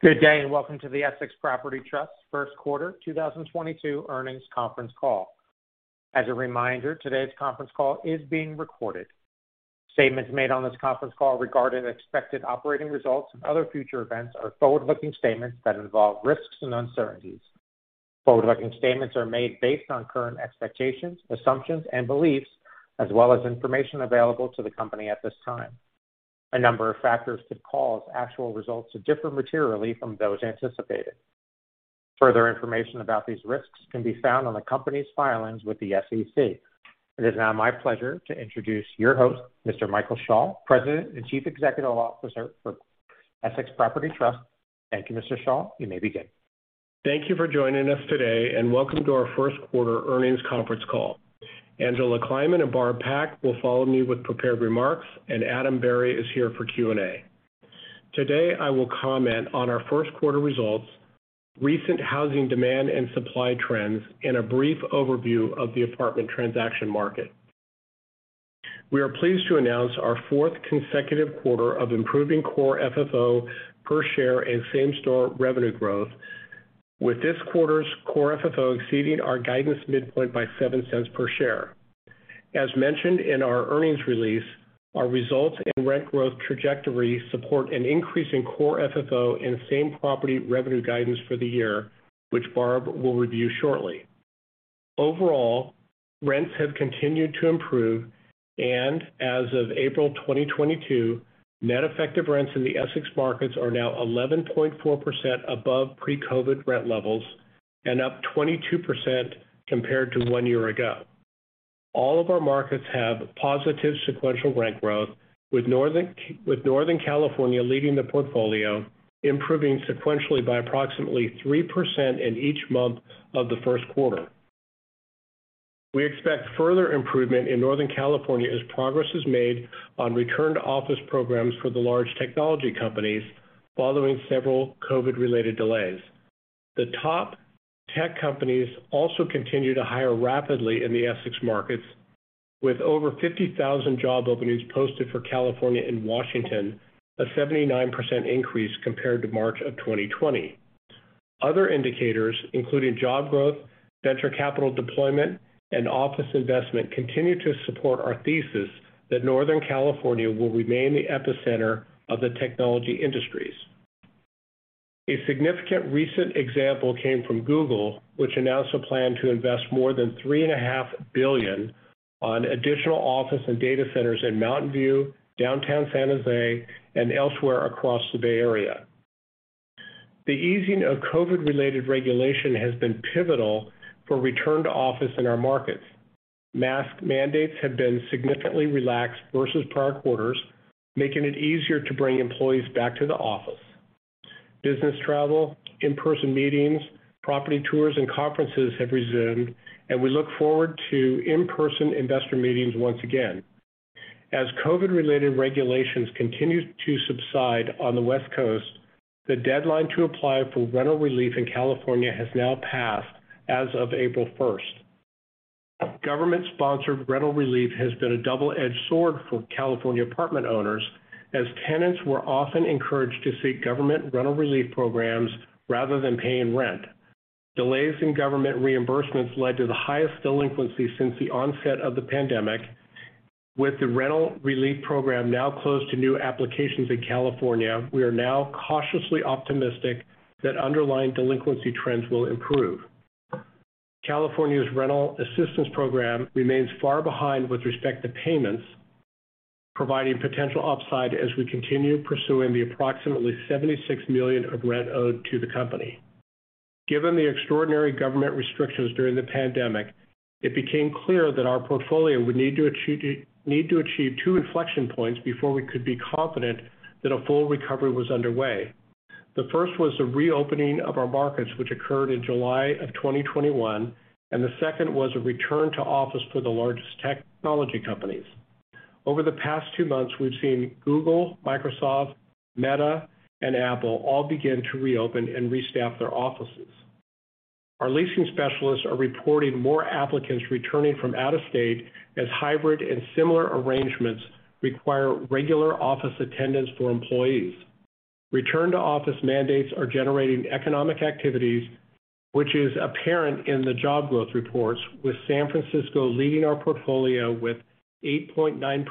Good day, and welcome to the Essex Property Trust First Quarter 2022 Earnings Conference Call. As a reminder, today's conference call is being recorded. Statements made on this conference call regarding expected operating results and other future events are forward-looking statements that involve risks and uncertainties. Forward-looking statements are made based on current expectations, assumptions, and beliefs, as well as information available to the company at this time. A number of factors could cause actual results to differ materially from those anticipated. Further information about these risks can be found on the company's filings with the SEC. It is now my pleasure to introduce your host, Mr. Michael Schall, President and Chief Executive Officer for Essex Property Trust. Thank you, Mr. Schall. You may begin. Thank you for joining us today, and welcome to our First Quarter Earnings Conference Call. Angela Kleiman and Barb Pak will follow me with prepared remarks, and Adam Berry is here for Q&A. Today, I will comment on our first quarter results, recent housing demand and supply trends, and a brief overview of the apartment transaction market. We are pleased to announce our fourth consecutive quarter of improving Core FFO per share and same-property revenue growth, with this quarter's Core FFO exceeding our guidance midpoint by $0.07 per share. As mentioned in our earnings release, our results and rent growth trajectory support an increase in Core FFO and same-property revenue guidance for the year, which Barb will review shortly. Overall, rents have continued to improve, and as of April 2022, net effective rents in the Essex markets are now 11.4% above pre-COVID rent levels and up 22% compared to one year ago. All of our markets have positive sequential rent growth, with Northern California leading the portfolio, improving sequentially by approximately 3% in each month of the first quarter. We expect further improvement in Northern California as progress is made on return-to-office programs for the large technology companies following several COVID-related delays. The top tech companies also continue to hire rapidly in the Essex markets with over 50,000 job openings posted for California and Washington, a 79% increase compared to March 2020. Other indicators, including job growth, venture capital deployment, and office investment, continue to support our thesis that Northern California will remain the epicenter of the technology industries. A significant recent example came from Google, which announced a plan to invest more than $3.5 billion on additional office and data centers in Mountain View, downtown San Jose, and elsewhere across the Bay Area. The easing of COVID-related regulation has been pivotal for return to office in our markets. Mask mandates have been significantly relaxed versus prior quarters, making it easier to bring employees back to the office. Business travel, in-person meetings, property tours, and conferences have resumed, and we look forward to in-person investor meetings once again. As COVID-related regulations continue to subside on the West Coast, the deadline to apply for rental relief in California has now passed as of April 1st. Government-sponsored rental relief has been a double-edged sword for California apartment owners as tenants were often encouraged to seek government rental relief programs rather than paying rent. Delays in government reimbursements led to the highest delinquency since the onset of the pandemic. With the rental relief program now closed to new applications in California, we are now cautiously optimistic that underlying delinquency trends will improve. California's rental assistance program remains far behind with respect to payments, providing potential upside as we continue pursuing the approximately $76 million of rent owed to the company. Given the extraordinary government restrictions during the pandemic, it became clear that our portfolio would need to achieve two inflection points before we could be confident that a full recovery was underway. The first was the reopening of our markets, which occurred in July 2021, and the second was a return to office for the largest technology companies. Over the past two months, we've seen Google, Microsoft, Meta, and Apple all begin to reopen and restaff their offices. Our leasing specialists are reporting more applicants returning from out of state as hybrid and similar arrangements require regular office attendance for employees. Return to office mandates are generating economic activities, which is apparent in the job growth reports, with San Francisco leading our portfolio with 8.9%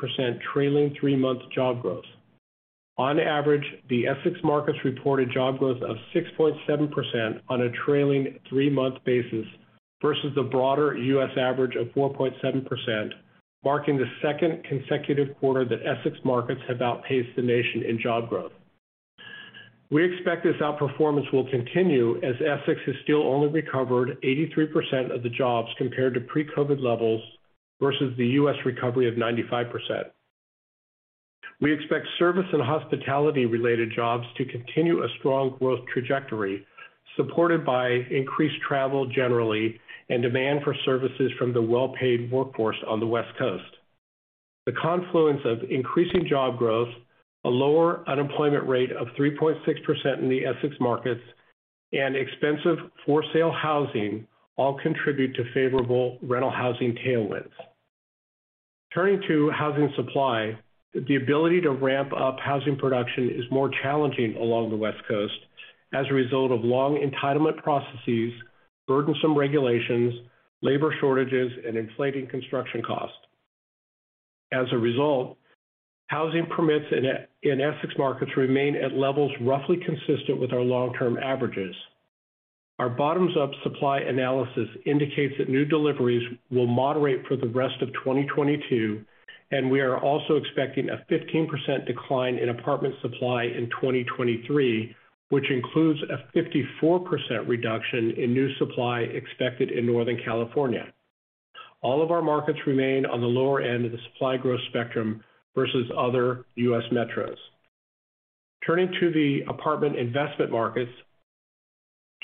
trailing three-month job growth. On average, the Essex markets reported job growth of 6.7% on a trailing three-month basis versus the broader U.S. average of 4.7%, marking the second consecutive quarter that Essex markets have outpaced the nation in job growth. We expect this outperformance will continue as Essex has still only recovered 83% of the jobs compared to pre-COVID levels versus the U.S. recovery of 95%. We expect service and hospitality-related jobs to continue a strong growth trajectory, supported by increased travel generally and demand for services from the well-paid workforce on the West Coast. The confluence of increasing job growth, a lower unemployment rate of 3.6% in the Essex markets, and expensive for-sale housing all contribute to favorable rental housing tailwinds. Turning to housing supply, the ability to ramp up housing production is more challenging along the West Coast as a result of long entitlement processes, burdensome regulations, labor shortages, and inflating construction costs. As a result, housing permits in Essex markets remain at levels roughly consistent with our long-term averages. Our bottoms-up supply analysis indicates that new deliveries will moderate for the rest of 2022, and we are also expecting a 15% decline in apartment supply in 2023, which includes a 54% reduction in new supply expected in Northern California. All of our markets remain on the lower end of the supply growth spectrum versus other U.S. metros. Turning to the apartment investment markets,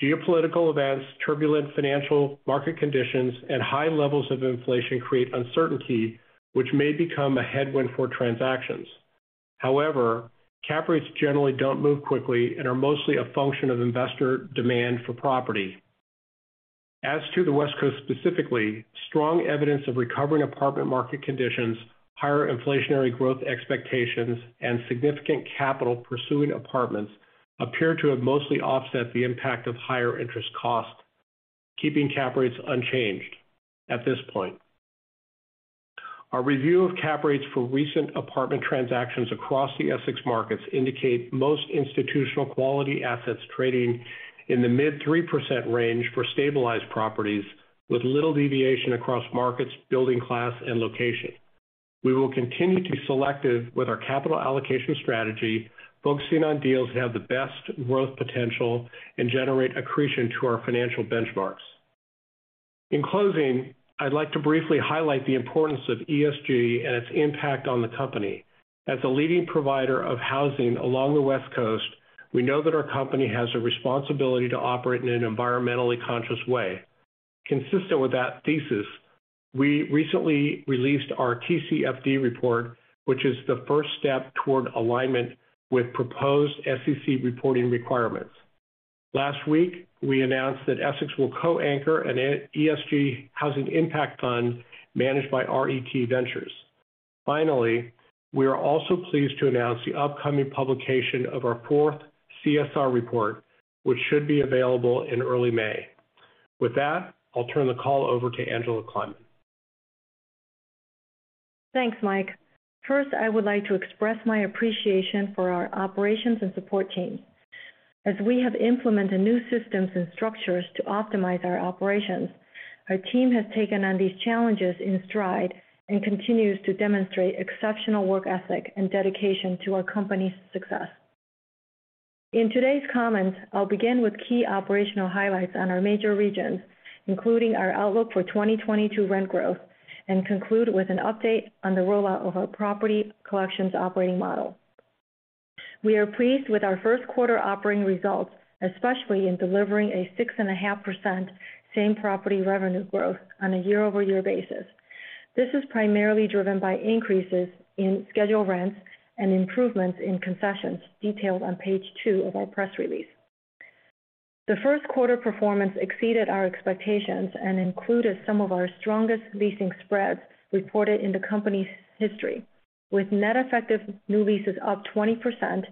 geopolitical events, turbulent financial market conditions, and high levels of inflation create uncertainty which may become a headwind for transactions. However, cap rates generally don't move quickly and are mostly a function of investor demand for property. As to the West Coast specifically, strong evidence of recovering apartment market conditions, higher inflationary growth expectations, and significant capital pursuing apartments appear to have mostly offset the impact of higher interest costs, keeping cap rates unchanged at this point. Our review of cap rates for recent apartment transactions across the Essex markets indicate most institutional quality assets trading in the mid-3% range for stabilized properties with little deviation across markets, building class, and location. We will continue to be selective with our capital allocation strategy, focusing on deals that have the best growth potential and generate accretion to our financial benchmarks. In closing, I'd like to briefly highlight the importance of ESG and its impact on the company. As a leading provider of housing along the West Coast, we know that our company has a responsibility to operate in an environmentally conscious way. Consistent with that thesis, we recently released our TCFD report, which is the first step toward alignment with proposed SEC reporting requirements. Last week, we announced that Essex will co-anchor an ESG housing impact fund managed by RET Ventures. Finally, we are also pleased to announce the upcoming publication of our fourth CSR report, which should be available in early May. With that, I'll turn the call over to Angela Kleiman. Thanks, Mike. First, I would like to express my appreciation for our operations and support teams. As we have implemented new systems and structures to optimize our operations, our team has taken on these challenges in stride and continues to demonstrate exceptional work ethic and dedication to our company's success. In today's comments, I'll begin with key operational highlights on our major regions, including our outlook for 2022 rent growth, and conclude with an update on the rollout of our Property Collections Operating Model. We are pleased with our first quarter operating results, especially in delivering a 6.5% same-property revenue growth on a year-over-year basis. This is primarily driven by increases in scheduled rents and improvements in concessions detailed on page two of our press release. The first quarter performance exceeded our expectations and included some of our strongest leasing spreads reported in the company's history, with net effective new leases up 20%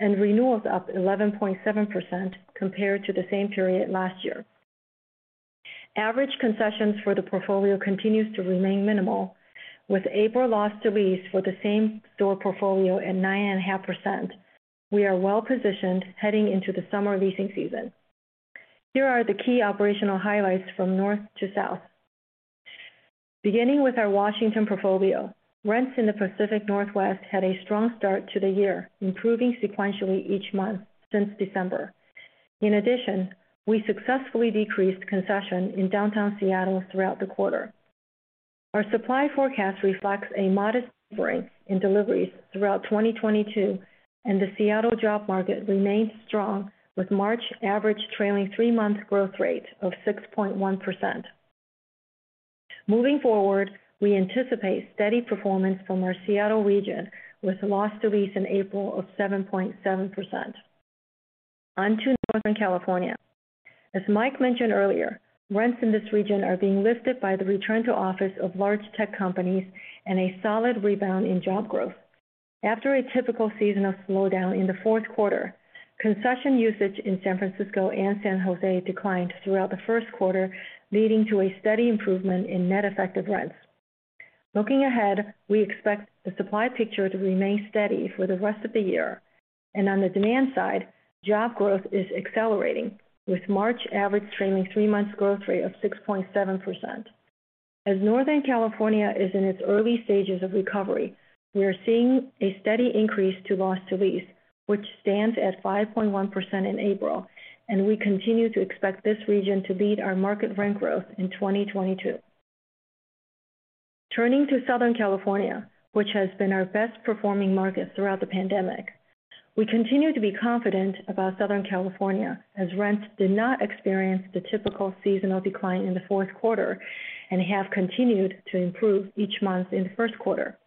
and renewals up 11.7% compared to the same period last year. Average concessions for the portfolio continues to remain minimal, with April loss to lease for the same-store portfolio at 9.5%. We are well-positioned heading into the summer leasing season. Here are the key operational highlights from north to south. Beginning with our Washington portfolio, rents in the Pacific Northwest had a strong start to the year, improving sequentially each month since December. In addition, we successfully decreased concessions in downtown Seattle throughout the quarter. Our supply forecast reflects a modest break in deliveries throughout 2022, and the Seattle job market remains strong with March average trailing three-month growth rate of 6.1%. Moving forward, we anticipate steady performance from our Seattle region, with loss to lease in April of 7.7%. On to Northern California. As Mike mentioned earlier, rents in this region are being lifted by the return to office of large tech companies and a solid rebound in job growth. After a typical seasonal slowdown in the fourth quarter, concession usage in San Francisco and San Jose declined throughout the first quarter, leading to a steady improvement in net effective rents. Looking ahead, we expect the supply picture to remain steady for the rest of the year. On the demand side, job growth is accelerating, with March average trailing three months growth rate of 6.7%. As Northern California is in its early stages of recovery, we are seeing a steady increase to loss to lease, which stands at 5.1% in April, and we continue to expect this region to lead our market rent growth in 2022. Turning to Southern California, which has been our best performing market throughout the pandemic. We continue to be confident about Southern California, as rents did not experience the typical seasonal decline in the fourth quarter and have continued to improve each month in the first quarter.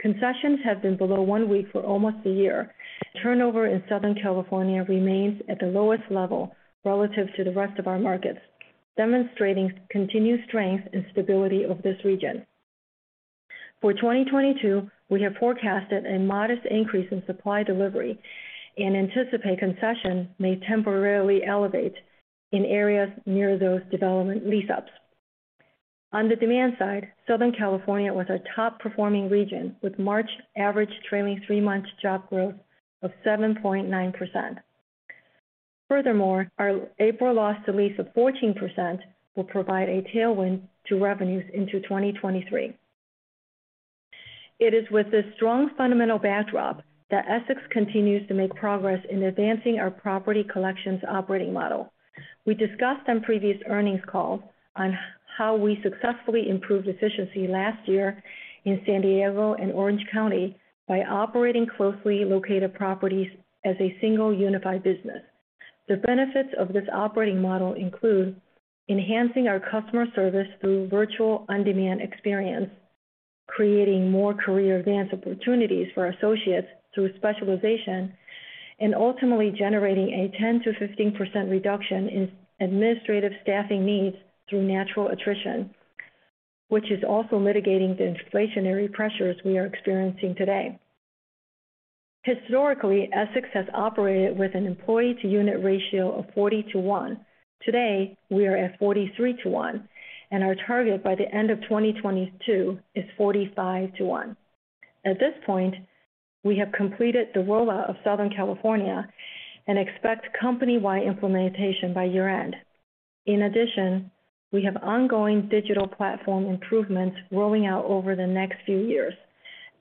Concessions have been below one week for almost a year. Turnover in Southern California remains at the lowest level relative to the rest of our markets, demonstrating continued strength and stability of this region. For 2022, we have forecasted a modest increase in supply delivery and anticipate concession may temporarily elevate in areas near those development lease-ups. On the demand side, Southern California was our top performing region with March average trailing three-month job growth of 7.9%. Furthermore, our April loss to lease of 14% will provide a tailwind to revenues into 2023. It is with this strong fundamental backdrop that Essex continues to make progress in advancing our Property Collections Operating Model. We discussed on previous earnings calls on how we successfully improved efficiency last year in San Diego and Orange County by operating closely located properties as a single unified business. The benefits of this operating model include enhancing our customer service through virtual on-demand experience, creating more career advance opportunities for associates through specialization, and ultimately generating a 10%-15% reduction in administrative staffing needs through natural attrition, which is also mitigating the inflationary pressures we are experiencing today. Historically, Essex has operated with an employee-to-unit ratio of 40:1. Today, we are at 43:1, and our target by the end of 2022 is 45:1. At this point, we have completed the rollout of Southern California and expect company-wide implementation by year-end. In addition, we have ongoing digital platform improvements rolling out over the next few years.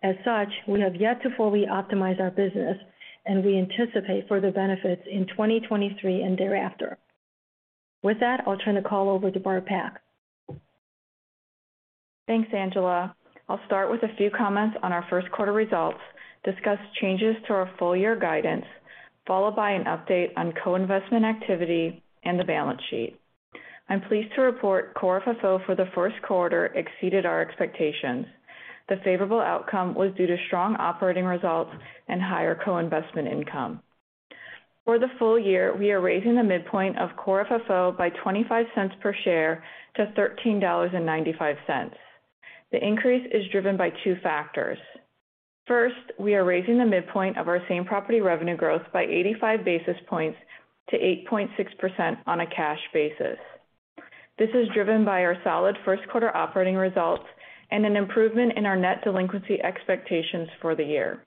As such, we have yet to fully optimize our business and we anticipate further benefits in 2023 and thereafter. With that, I'll turn the call over to Barb Pak. Thanks, Angela. I'll start with a few comments on our first quarter results, discuss changes to our full-year guidance, followed by an update on co-investment activity and the balance sheet. I'm pleased to report Core FFO for the first quarter exceeded our expectations. The favorable outcome was due to strong operating results and higher co-investment income. For the full year, we are raising the midpoint of Core FFO by $0.25 per share to $13.95. The increase is driven by two factors. First, we are raising the midpoint of our same-property revenue growth by 85 basis points to 8.6% on a cash basis. This is driven by our solid first quarter operating results and an improvement in our net delinquency expectations for the year.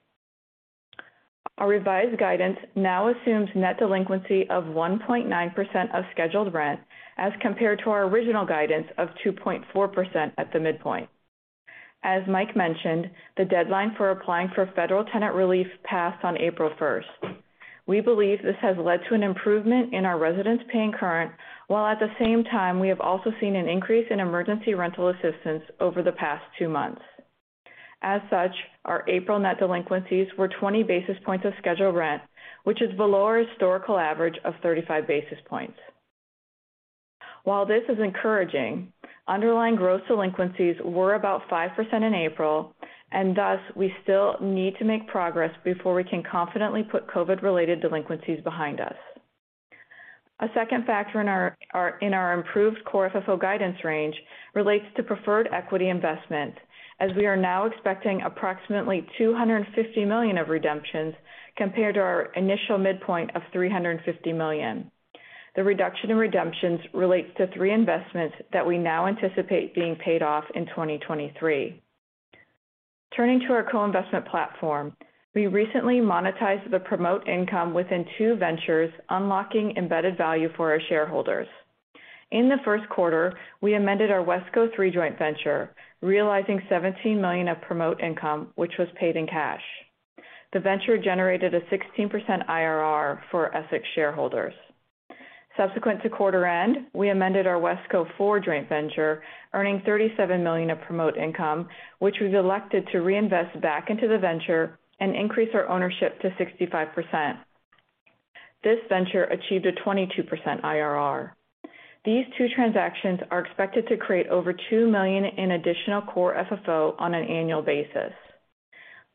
Our revised guidance now assumes net delinquency of 1.9% of scheduled rent as compared to our original guidance of 2.4% at the midpoint. As Mike mentioned, the deadline for applying for federal tenant relief passed on April 1st. We believe this has led to an improvement in our residents paying current, while at the same time we have also seen an increase in emergency rental assistance over the past two months. As such, our April net delinquencies were 20 basis points of scheduled rent, which is below our historical average of 35 basis points. While this is encouraging, underlying gross delinquencies were about 5% in April, and thus we still need to make progress before we can confidently put COVID-related delinquencies behind us. A second factor in our improved core FFO guidance range relates to preferred equity investment as we are now expecting approximately $250 million of redemptions compared to our initial midpoint of $350 million. The reduction in redemptions relates to three investments that we now anticipate being paid off in 2023. Turning to our co-investment platform, we recently monetized the promote income within two ventures, unlocking embedded value for our shareholders. In the first quarter, we amended our Wesco III joint venture, realizing $17 million of promote income, which was paid in cash. The venture generated a 16% IRR for Essex shareholders. Subsequent to quarter end, we amended our Wesco IV joint venture, earning $37 million of promote income, which was elected to reinvest back into the venture and increase our ownership to 65%. This venture achieved a 22% IRR. These two transactions are expected to create over $2 million in additional core FFO on an annual basis.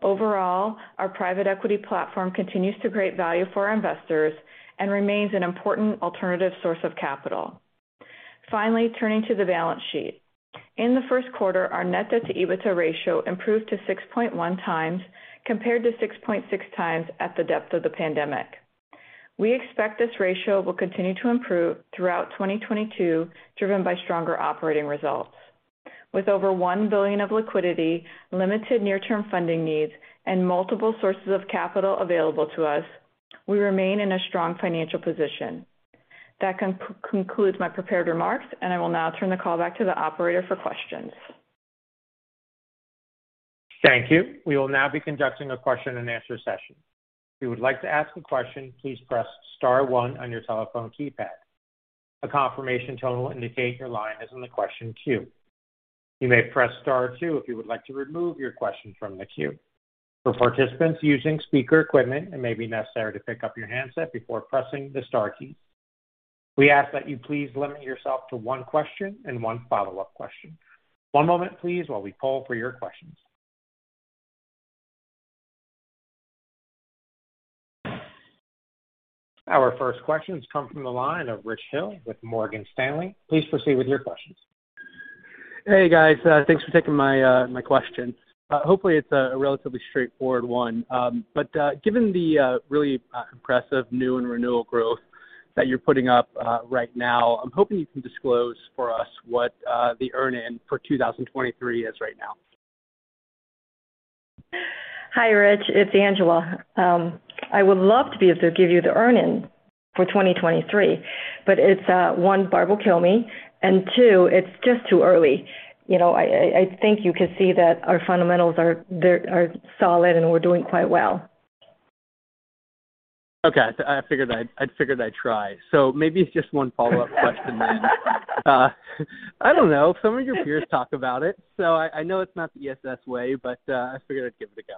Overall, our private equity platform continues to create value for our investors and remains an important alternative source of capital. Finally, turning to the balance sheet. In the first quarter, our net debt-to-EBITDA ratio improved to 6.1x compared to 6.6x at the depth of the pandemic. We expect this ratio will continue to improve throughout 2022, driven by stronger operating results. With over $1 billion of liquidity, limited near term funding needs, and multiple sources of capital available to us, we remain in a strong financial position. That concludes my prepared remarks, and I will now turn the call back to the operator for questions. Thank you. We will now be conducting a question-and-answer session. If you would like to ask a question, please press star one on your telephone keypad. A confirmation tone will indicate your line is in the question queue. You may press star two if you would like to remove your question from the queue. For participants using speaker equipment, it may be necessary to pick up your handset before pressing the star keys. We ask that you please limit yourself to one question and one follow-up question. One moment, please, while we poll for your questions. Our first question comes from the line of Rich Hill with Morgan Stanley. Please proceed with your questions. Hey, guys. Thanks for taking my question. Hopefully, it's a relatively straightforward one. Given the really impressive new and renewal growth that you're putting up right now, I'm hoping you can disclose for us what the earnings for 2023 is right now. Hi, Rich. It's Angela. I would love to be able to give you the earnings for 2023, but it's one, Barb will kill me, and two, it's just too early. You know, I think you can see that our fundamentals are solid, and we're doing quite well. Okay. I figured I'd try. Maybe it's just one follow-up question then. I don't know. Some of your peers talk about it, I know it's not the ESS way, but I figured I'd give it a go.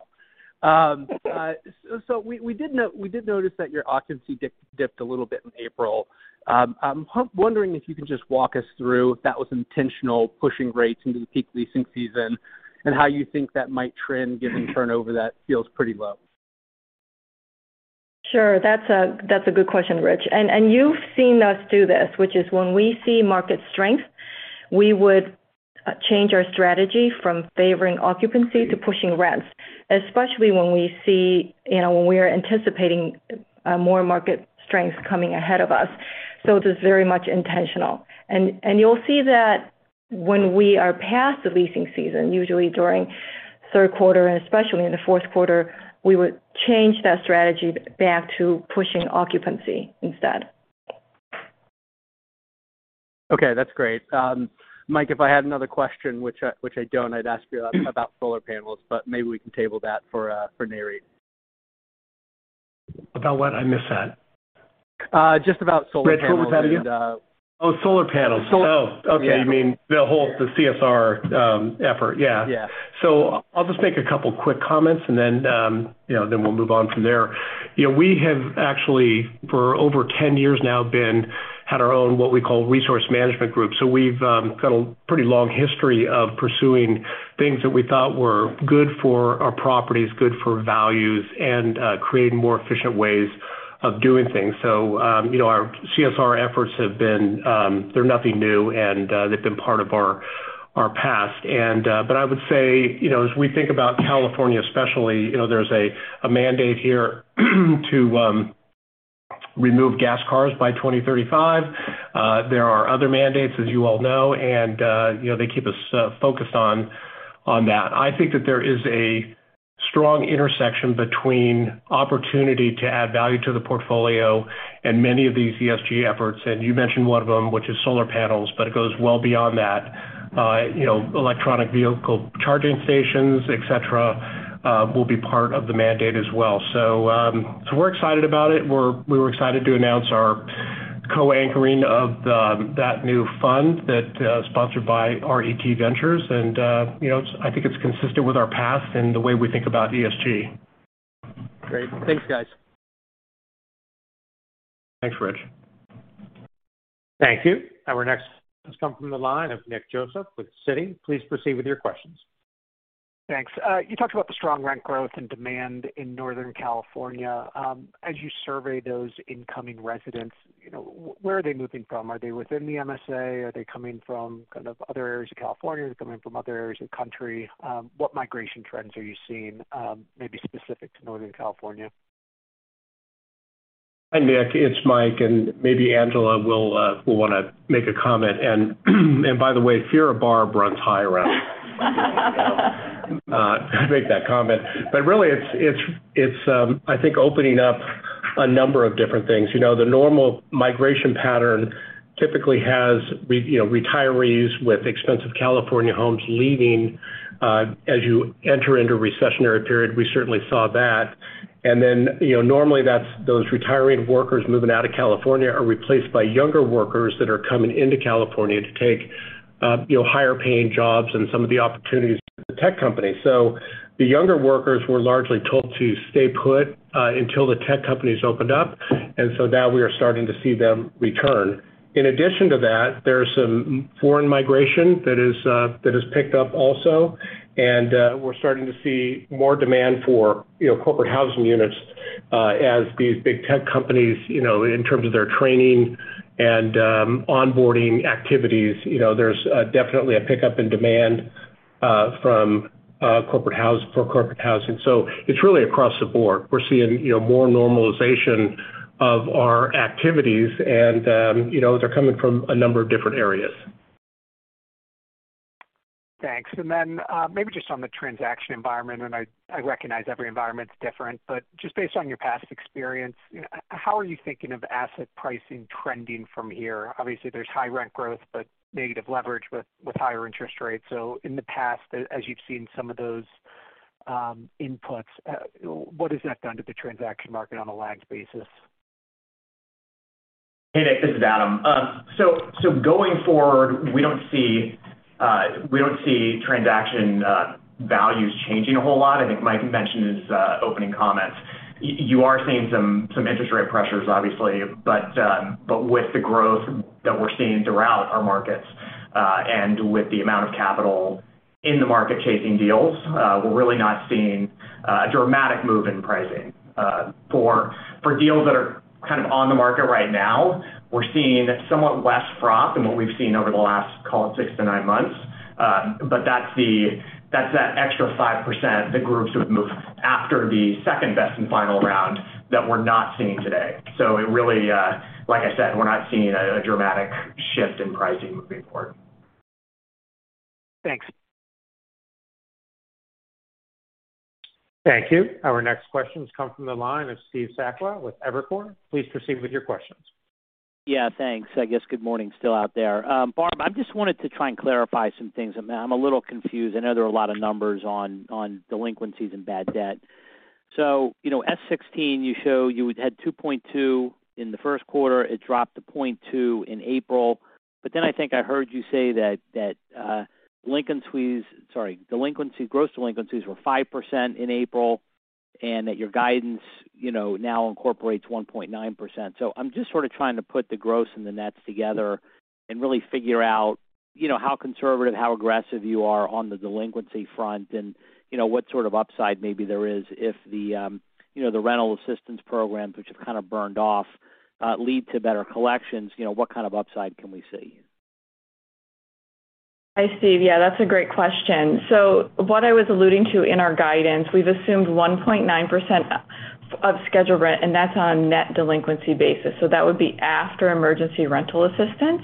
We did notice that your occupancy dipped a little bit in April. I'm wondering if you can just walk us through if that was intentional, pushing rates into the peak leasing season and how you think that might trend given turnover that feels pretty low. Sure. That's a good question, Rich. You've seen us do this, which is when we see market strength, we would change our strategy from favoring occupancy to pushing rents, especially when we see, you know, when we are anticipating more market strength coming ahead of us. It is very much intentional. You'll see that when we are past the leasing season, usually during third quarter and especially in the fourth quarter, we would change that strategy back to pushing occupancy instead. Okay, that's great. Mike, if I had another question, which I don't, I'd ask you about solar panels, but maybe we can table that for NAREIT. About what? I missed that. Just about solar panels and. Oh, solar panels. Solar. Oh, okay. You mean the whole, the CSR, effort? Yeah. Yeah. I'll just make a couple quick comments, and then, you know, then we'll move on from there. You know, we have actually for over 10 years now had our own what we call resource management group. We've got a pretty long history of pursuing things that we thought were good for our properties, good for values, and creating more efficient ways of doing things. You know, our CSR efforts have been, they're nothing new, and they've been part of our past. I would say, you know, as we think about California especially, you know, there's a mandate here to remove gas cars by 2035. There are other mandates, as you all know, and you know, they keep us focused on that. I think that there is a strong intersection between opportunity to add value to the portfolio and many of these ESG efforts, and you mentioned one of them, which is solar panels, but it goes well beyond that. You know, electric vehicle charging stations, et cetera, will be part of the mandate as well. We're excited about it. We were excited to announce our co-anchoring of that new fund that's sponsored by RET Ventures. You know, it's consistent with our past and the way we think about ESG. Great. Thanks, guys. Thanks, Rich. Thank you. Our next comes from the line of Nick Joseph with Citi. Please proceed with your questions. Thanks. You talked about the strong rent growth and demand in Northern California. As you survey those incoming residents, you know, where are they moving from? Are they within the MSA? Are they coming from kind of other areas of California? Are they coming from other areas of the country? What migration trends are you seeing, maybe specific to Northern California? Hi, Nick. It's Mike, and maybe Angela will wanna make a comment. By the way, fear of Barb runs high around. I make that comment. Really it's, I think opening up a number of different things. You know, the normal migration pattern typically has retirees with expensive California homes leaving as you enter into a recessionary period. We certainly saw that. Then, you know, normally that's those retiring workers moving out of California are replaced by younger workers that are coming into California to take higher paying jobs and some of the opportunities with the tech companies. The younger workers were largely told to stay put until the tech companies opened up, and now we are starting to see them return. In addition to that, there's some foreign migration that has picked up also. We're starting to see more demand for, you know, corporate housing units, as these big tech companies, you know, in terms of their training and onboarding activities. You know, there's definitely a pickup in demand for corporate housing. It's really across the board. We're seeing, you know, more normalization of our activities and, you know, they're coming from a number of different areas. Thanks. Maybe just on the transaction environment, I recognize every environment is different, just based on your past experience, you know, how are you thinking of asset pricing trending from here? Obviously, there's high rent growth, but negative leverage with higher interest rates. In the past, as you've seen some of those inputs, what has that done to the transaction market on a lagged basis? Hey, Nick, this is Adam. Going forward, we don't see transaction values changing a whole lot. I think Mike mentioned in his opening comments. You are seeing some interest rate pressures, obviously, but with the growth that we're seeing throughout our markets, and with the amount of capital in the market chasing deals, we're really not seeing a dramatic move in pricing. For deals that are kind of on the market right now, we're seeing somewhat less drop than what we've seen over the last, call it six to nine months. That's that extra 5% the groups would move after the second best and final round that we're not seeing today. It really, like I said, we're not seeing a dramatic shift in pricing moving forward. Thanks. Thank you. Our next question comes from the line of Steve Sakwa with Evercore. Please proceed with your questions. Yeah, thanks. I guess good morning, still out there. Barb, I just wanted to try and clarify some things. I'm a little confused. I know there are a lot of numbers on delinquencies and bad debt. You know, S-16, you show you had 2.2% in the first quarter. It dropped to 0.2% in April. I think I heard you say that delinquency, gross delinquencies were 5% in April, and that your guidance, you know, now incorporates 1.9%. I'm just sort of trying to put the gross and the nets together and really figure out, you know, how conservative, how aggressive you are on the delinquency front and, you know, what sort of upside maybe there is if the, you know, the rental assistance programs, which have kind of burned off, lead to better collections, you know, what kind of upside can we see? Hi, Steve. Yeah, that's a great question. What I was alluding to in our guidance, we've assumed 1.9% of scheduled rent, and that's on net delinquency basis. That would be after emergency rental assistance.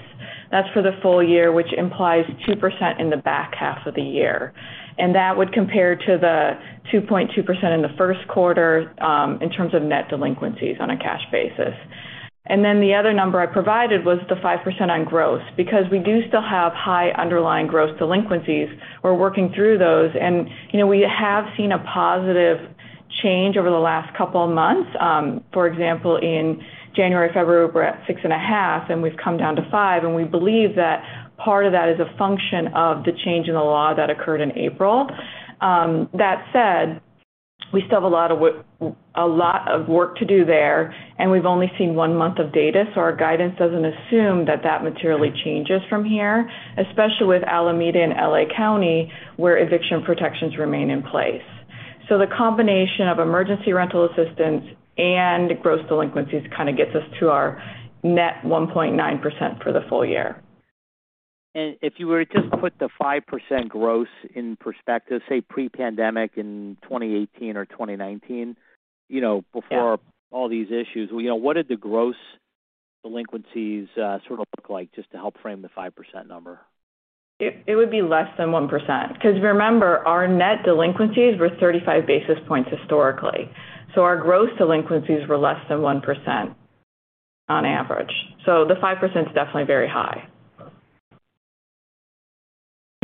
That's for the full year, which implies 2% in the back half of the year. That would compare to the 2.2% in the first quarter in terms of net delinquencies on a cash basis. Then the other number I provided was the 5% on growth because we do still have high underlying gross delinquencies. We're working through those. You know, we have seen a positive change over the last couple of months. For example, in January, February, we're at 6.5%, and we've come down to 5%. We believe that part of that is a function of the change in the law that occurred in April. That said, we still have a lot of work to do there, and we've only seen one month of data, so our guidance doesn't assume that materially changes from here, especially with Alameda and L.A. County, where eviction protections remain in place. The combination of emergency rental assistance and gross delinquencies kind of gets us to our net 1.9% for the full year. If you were to just put the 5% gross in perspective, say pre-pandemic in 2018 or 2019, you know. Yeah. Before all these issues, you know, what did the gross delinquencies sort of look like just to help frame the 5% number? It would be less than 1% 'cause remember, our net delinquencies were 35 basis points historically. Our gross delinquencies were less than 1% on average. The 5% is definitely very high.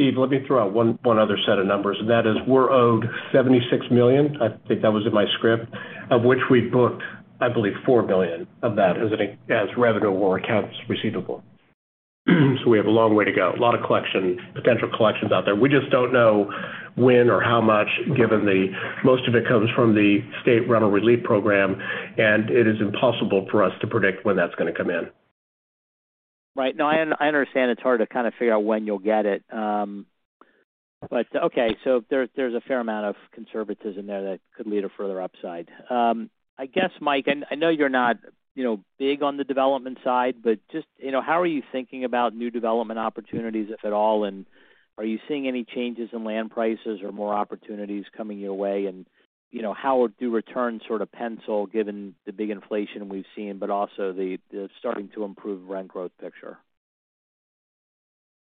Steve, let me throw out one other set of numbers, and that is we're owed $76 million. I think that was in my script, of which we booked, I believe, $40 million of that as revenue or accounts receivable. We have a long way to go. A lot of potential collections out there. We just don't know when or how much, given that most of it comes from the State Rental Relief Program, and it is impossible for us to predict when that's gonna come in. Right. No, I understand it's hard to kind of figure out when you'll get it. But okay, so there's a fair amount of conservatism there that could lead to further upside. I guess, Mike, and I know you're not, you know, big on the development side, but just, you know, how are you thinking about new development opportunities, if at all, and are you seeing any changes in land prices or more opportunities coming your way? You know, how do returns sort of pencil given the big inflation we've seen, but also the starting to improve rent growth picture?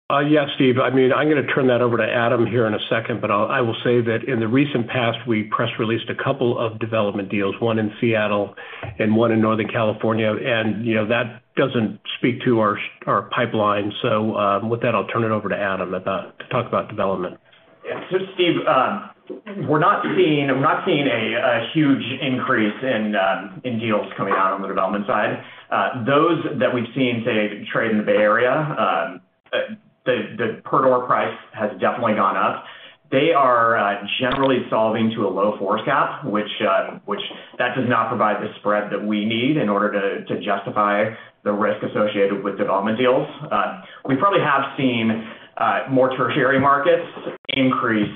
Yeah, Steve. I mean, I'm gonna turn that over to Adam here in a second, but I will say that in the recent past, we press released a couple of development deals, one in Seattle and one in Northern California. You know, that doesn't speak to our pipeline. With that, I'll turn it over to Adam to talk about development. Yeah. Steve, we're not seeing a huge increase in deals coming out on the development side. Those that we've seen, say, trade in the Bay Area, the per door price has definitely gone up. They are generally solving to a low 4% cap, which that does not provide the spread that we need in order to justify the risk associated with development deals. We probably have seen more tertiary markets increase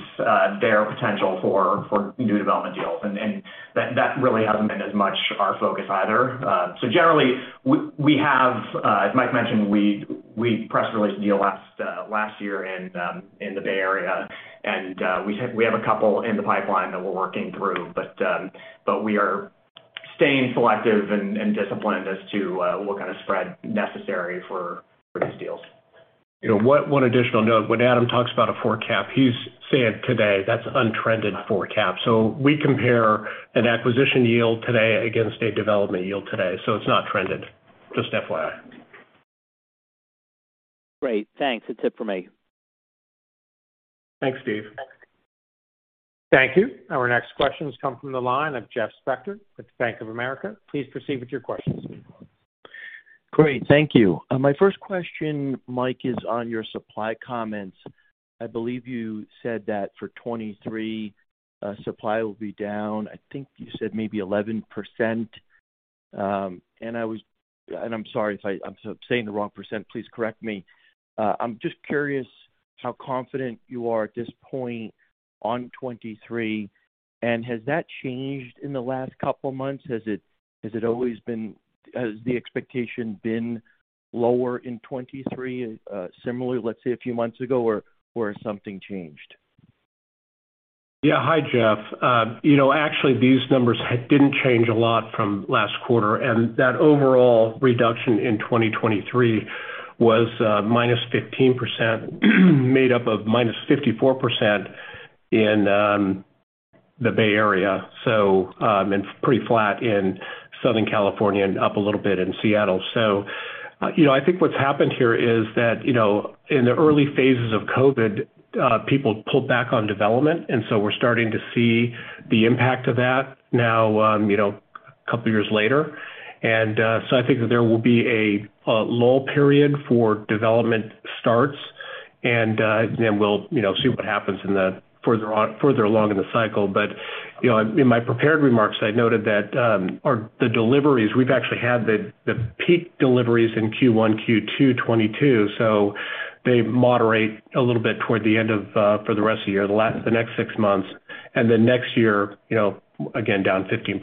their potential for new development deals, and that really hasn't been as much our focus either. Generally, we have, as Mike mentioned, press released a deal last year in the Bay Area. We have a couple in the pipeline that we're working through. We are staying selective and disciplined as to what kind of spread necessary for these deals. You know, one additional note. When Adam talks about a 4% cap, he's saying today that's untrended 4% cap. We compare an acquisition yield today against a development yield today. It's not trended, just FYI. Great. Thanks. That's it for me. Thanks, Steve. Thank you. Our next questions come from the line of Jeff Spector with Bank of America. Please proceed with your questions. Great. Thank you. My first question, Mike, is on your supply comments. I believe you said that for 2023, supply will be down, I think you said maybe 11%. I'm sorry if I'm saying the wrong percent, please correct me. I'm just curious how confident you are at this point on 2023, and has that changed in the last couple months? Has the expectation been lower in 2023, similarly, let's say, a few months ago, or something changed? Yeah. Hi, Jeff. You know, actually, these numbers didn't change a lot from last quarter, and that overall reduction in 2023 was -15% made up of -54% in the Bay Area, and pretty flat in Southern California and up a little bit in Seattle. You know, I think what's happened here is that, you know, in the early phases of COVID, people pulled back on development, and we're starting to see the impact of that now, you know, a couple of years later. I think that there will be a lull period for development starts, and we'll, you know, see what happens further along in the cycle. You know, in my prepared remarks, I noted that the deliveries we've actually had the peak deliveries in Q1, Q2 2022, so they moderate a little bit toward the end of for the rest of the year the next six months. Next year, you know, again down 15%.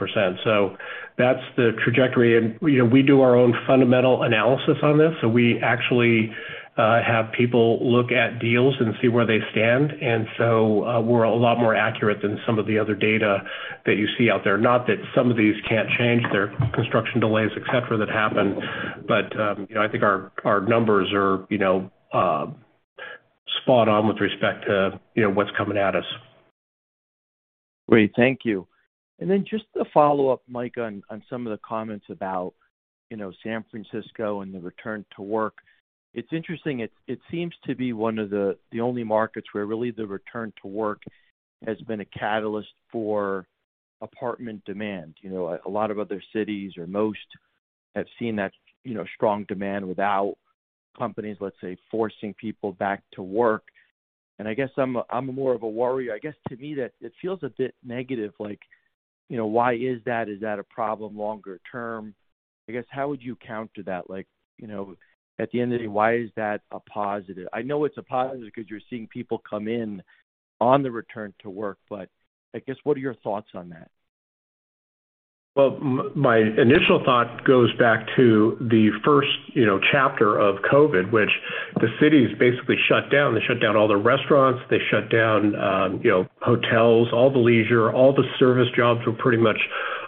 That's the trajectory. You know, we do our own fundamental analysis on this. We actually have people look at deals and see where they stand. We're a lot more accurate than some of the other data that you see out there. Not that some of these can't change, there are construction delays, et cetera, that happen. You know, I think our numbers are you know spot on with respect to you know what's coming at us. Great. Thank you. Just to follow-up, Mike, on some of the comments about, you know, San Francisco and the return to work. It's interesting. It seems to be one of the only markets where really the return to work has been a catalyst for apartment demand. You know, a lot of other cities or most have seen that, you know, strong demand without companies, let's say, forcing people back to work. I guess I'm more of a worrier. I guess to me that it feels a bit negative, like, you know, why is that? Is that a problem longer term? I guess, how would you counter that? Like, you know, at the end of the day, why is that a positive? I know it's a positive because you're seeing people come in on the return to work. I guess, what are your thoughts on that? Well, my initial thought goes back to the first, you know, chapter of COVID, which the cities basically shut down. They shut down all the restaurants, they shut down, you know, hotels, all the leisure, all the service jobs were pretty much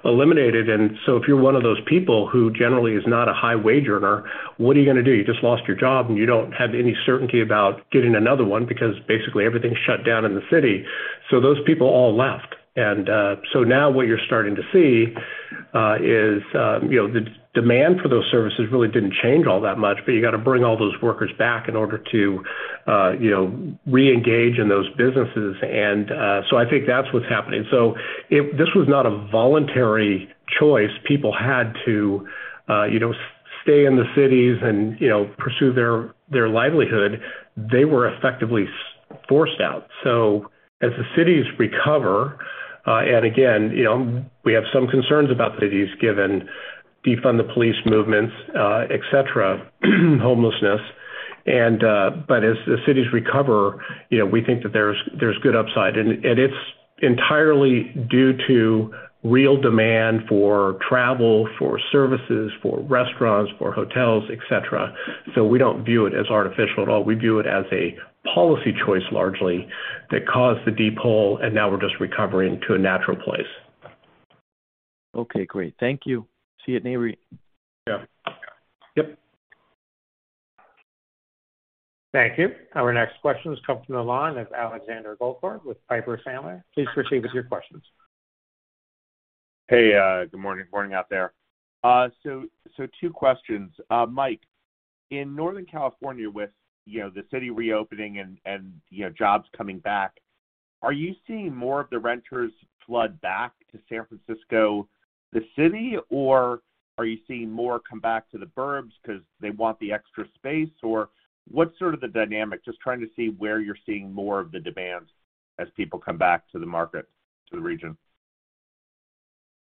eliminated. If you're one of those people who generally is not a high wage earner, what are you gonna do? You just lost your job, and you don't have any certainty about getting another one because basically everything's shut down in the city. Those people all left. Now what you're starting to see is, you know, the demand for those services really didn't change all that much, but you got to bring all those workers back in order to, you know, reengage in those businesses. I think that's what's happening. If this was not a voluntary choice, people had to, you know, stay in the cities and, you know, pursue their livelihood. They were effectively forced out. As the cities recover, and again, you know, we have some concerns about cities given defund the police movements, et cetera, homelessness. As the cities recover, you know, we think that there's good upside. It's entirely due to real demand for travel, for services, for restaurants, for hotels, et cetera. We don't view it as artificial at all. We view it as a policy choice, largely, that caused the deep hole, and now we're just recovering to a natural place. Okay, great. Thank you. See you at NAREIT. Yeah. Yep. Thank you. Our next question comes from the line of Alexander Goldfarb with Piper Sandler. Please proceed with your questions. Hey, good morning. Morning out there. Two questions. Mike, in Northern California with, you know, the city reopening and you know, jobs coming back, are you seeing more of the renters flood back to San Francisco, the city, or are you seeing more come back to the burbs because they want the extra space? Or what's sort of the dynamic? Just trying to see where you're seeing more of the demands as people come back to the market, to the region.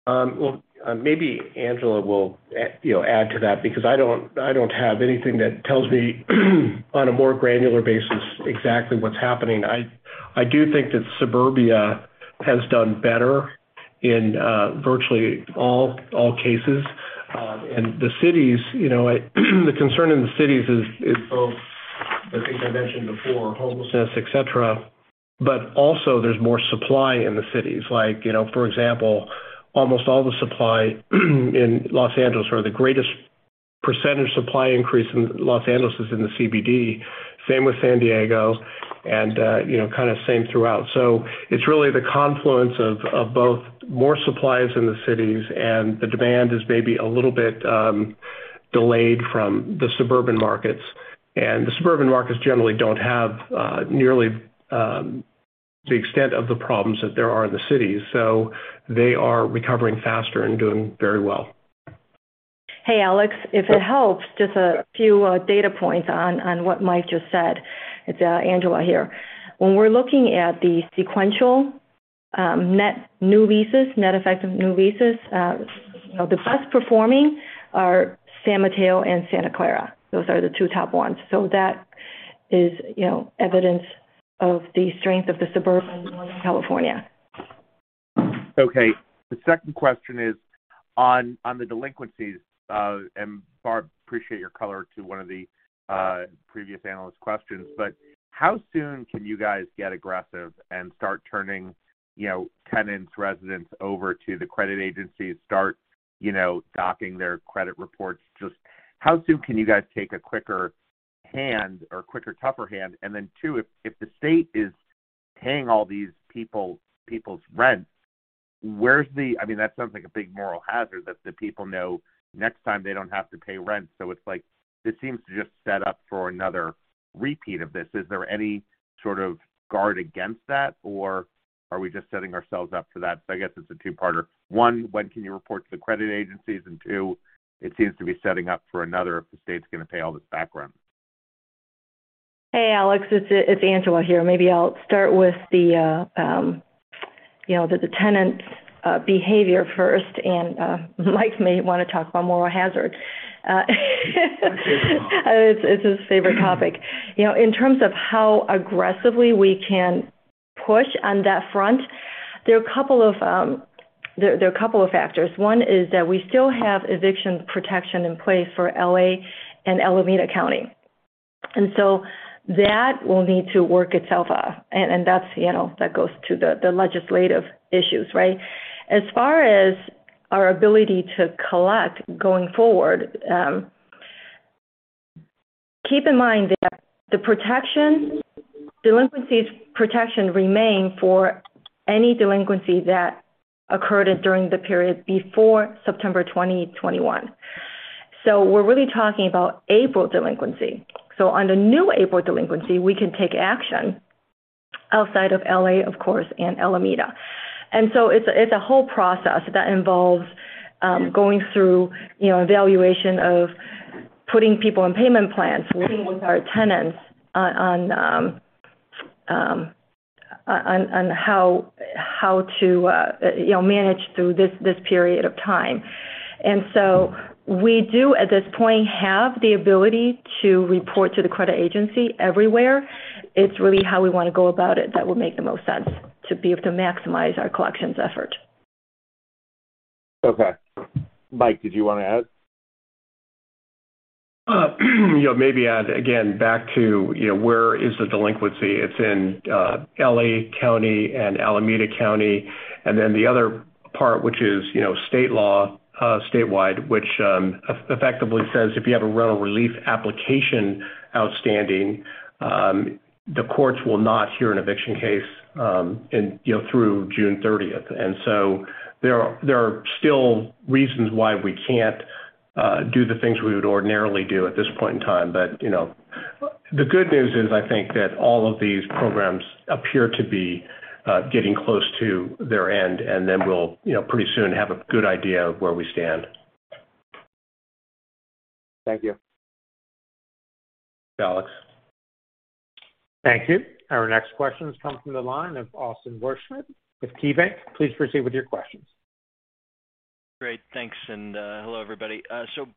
Well, maybe Angela will, you know, add to that because I don't have anything that tells me on a more granular basis exactly what's happening. I do think that suburbia has done better in virtually all cases. The cities, you know, the concern in the cities is both the things I mentioned before, homelessness, et cetera, but also there's more supply in the cities. Like, you know, for example, almost all the supply in Los Angeles or the greatest percentage supply increase in Los Angeles is in the CBD. Same with San Diego and, you know, kind of same throughout. It's really the confluence of both more supplies in the cities and the demand is maybe a little bit delayed from the suburban markets. The suburban markets generally don't have nearly the extent of the problems that there are in the cities. They are recovering faster and doing very well. Hey, Alex, if it helps, just a few data points on what Mike just said. It's Angela here. When we're looking at the sequential net new leases, net effect of new leases, you know, the best performing are San Mateo and Santa Clara. Those are the two top ones. That is, you know, evidence of the strength of the suburban Northern California. Okay. The second question is on the delinquencies. Barb, appreciate your color to one of the previous analyst questions, but how soon can you guys get aggressive and start turning tenants residents over to the credit agencies, start docking their credit reports? Just how soon can you guys take a quicker hand or quicker, tougher hand? Then two, if the state is paying all these people's rents, where's the? I mean, that sounds like a big moral hazard that the people know next time they don't have to pay rent. It's like, this seems to just set up for another repeat of this. Is there any sort of guard against that, or are we just setting ourselves up for that? I guess it's a two-parter. One, when can you report to the credit agencies? Two, it seems to be setting up for another if the state's gonna pay all this back rent. Hey, Alex, it's Angela here. Maybe I'll start with you know the tenant behavior first, and Mike may wanna talk about moral hazard. It's his favorite topic. You know, in terms of how aggressively we can push on that front, there are a couple of factors. One is that we still have eviction protection in place for L.A. and Alameda County. That will need to work itself out. That's you know that goes to the legislative issues, right? As far as our ability to collect going forward, keep in mind that the delinquency protections remain for any delinquency that occurred during the period before September 2021. We're really talking about April delinquency. On the new April delinquency, we can take action outside of L.A., of course, and Alameda. It's a whole process that involves going through, you know, evaluation of putting people on payment plans, working with our tenants on how to, you know, manage through this period of time. We do at this point have the ability to report to the credit agency everywhere. It's really how we wanna go about it that will make the most sense to be able to maximize our collections effort. Okay. Mike, did you wanna add? You know, maybe add again back to you know where is the delinquency? It's in L.A. County and Alameda County. The other part, which is you know state law, statewide, which effectively says if you have a rental relief application outstanding, the courts will not hear an eviction case through June 30th. There are still reasons why we can't do the things we would ordinarily do at this point in time. You know, the good news is I think that all of these programs appear to be getting close to their end, and then we'll you know pretty soon have a good idea of where we stand. Thank you. Alex. Thank you. Our next question comes from the line of Austin Wurschmidt with KeyBanc Capital Markets. Please proceed with your questions. Great. Thanks and hello, everybody.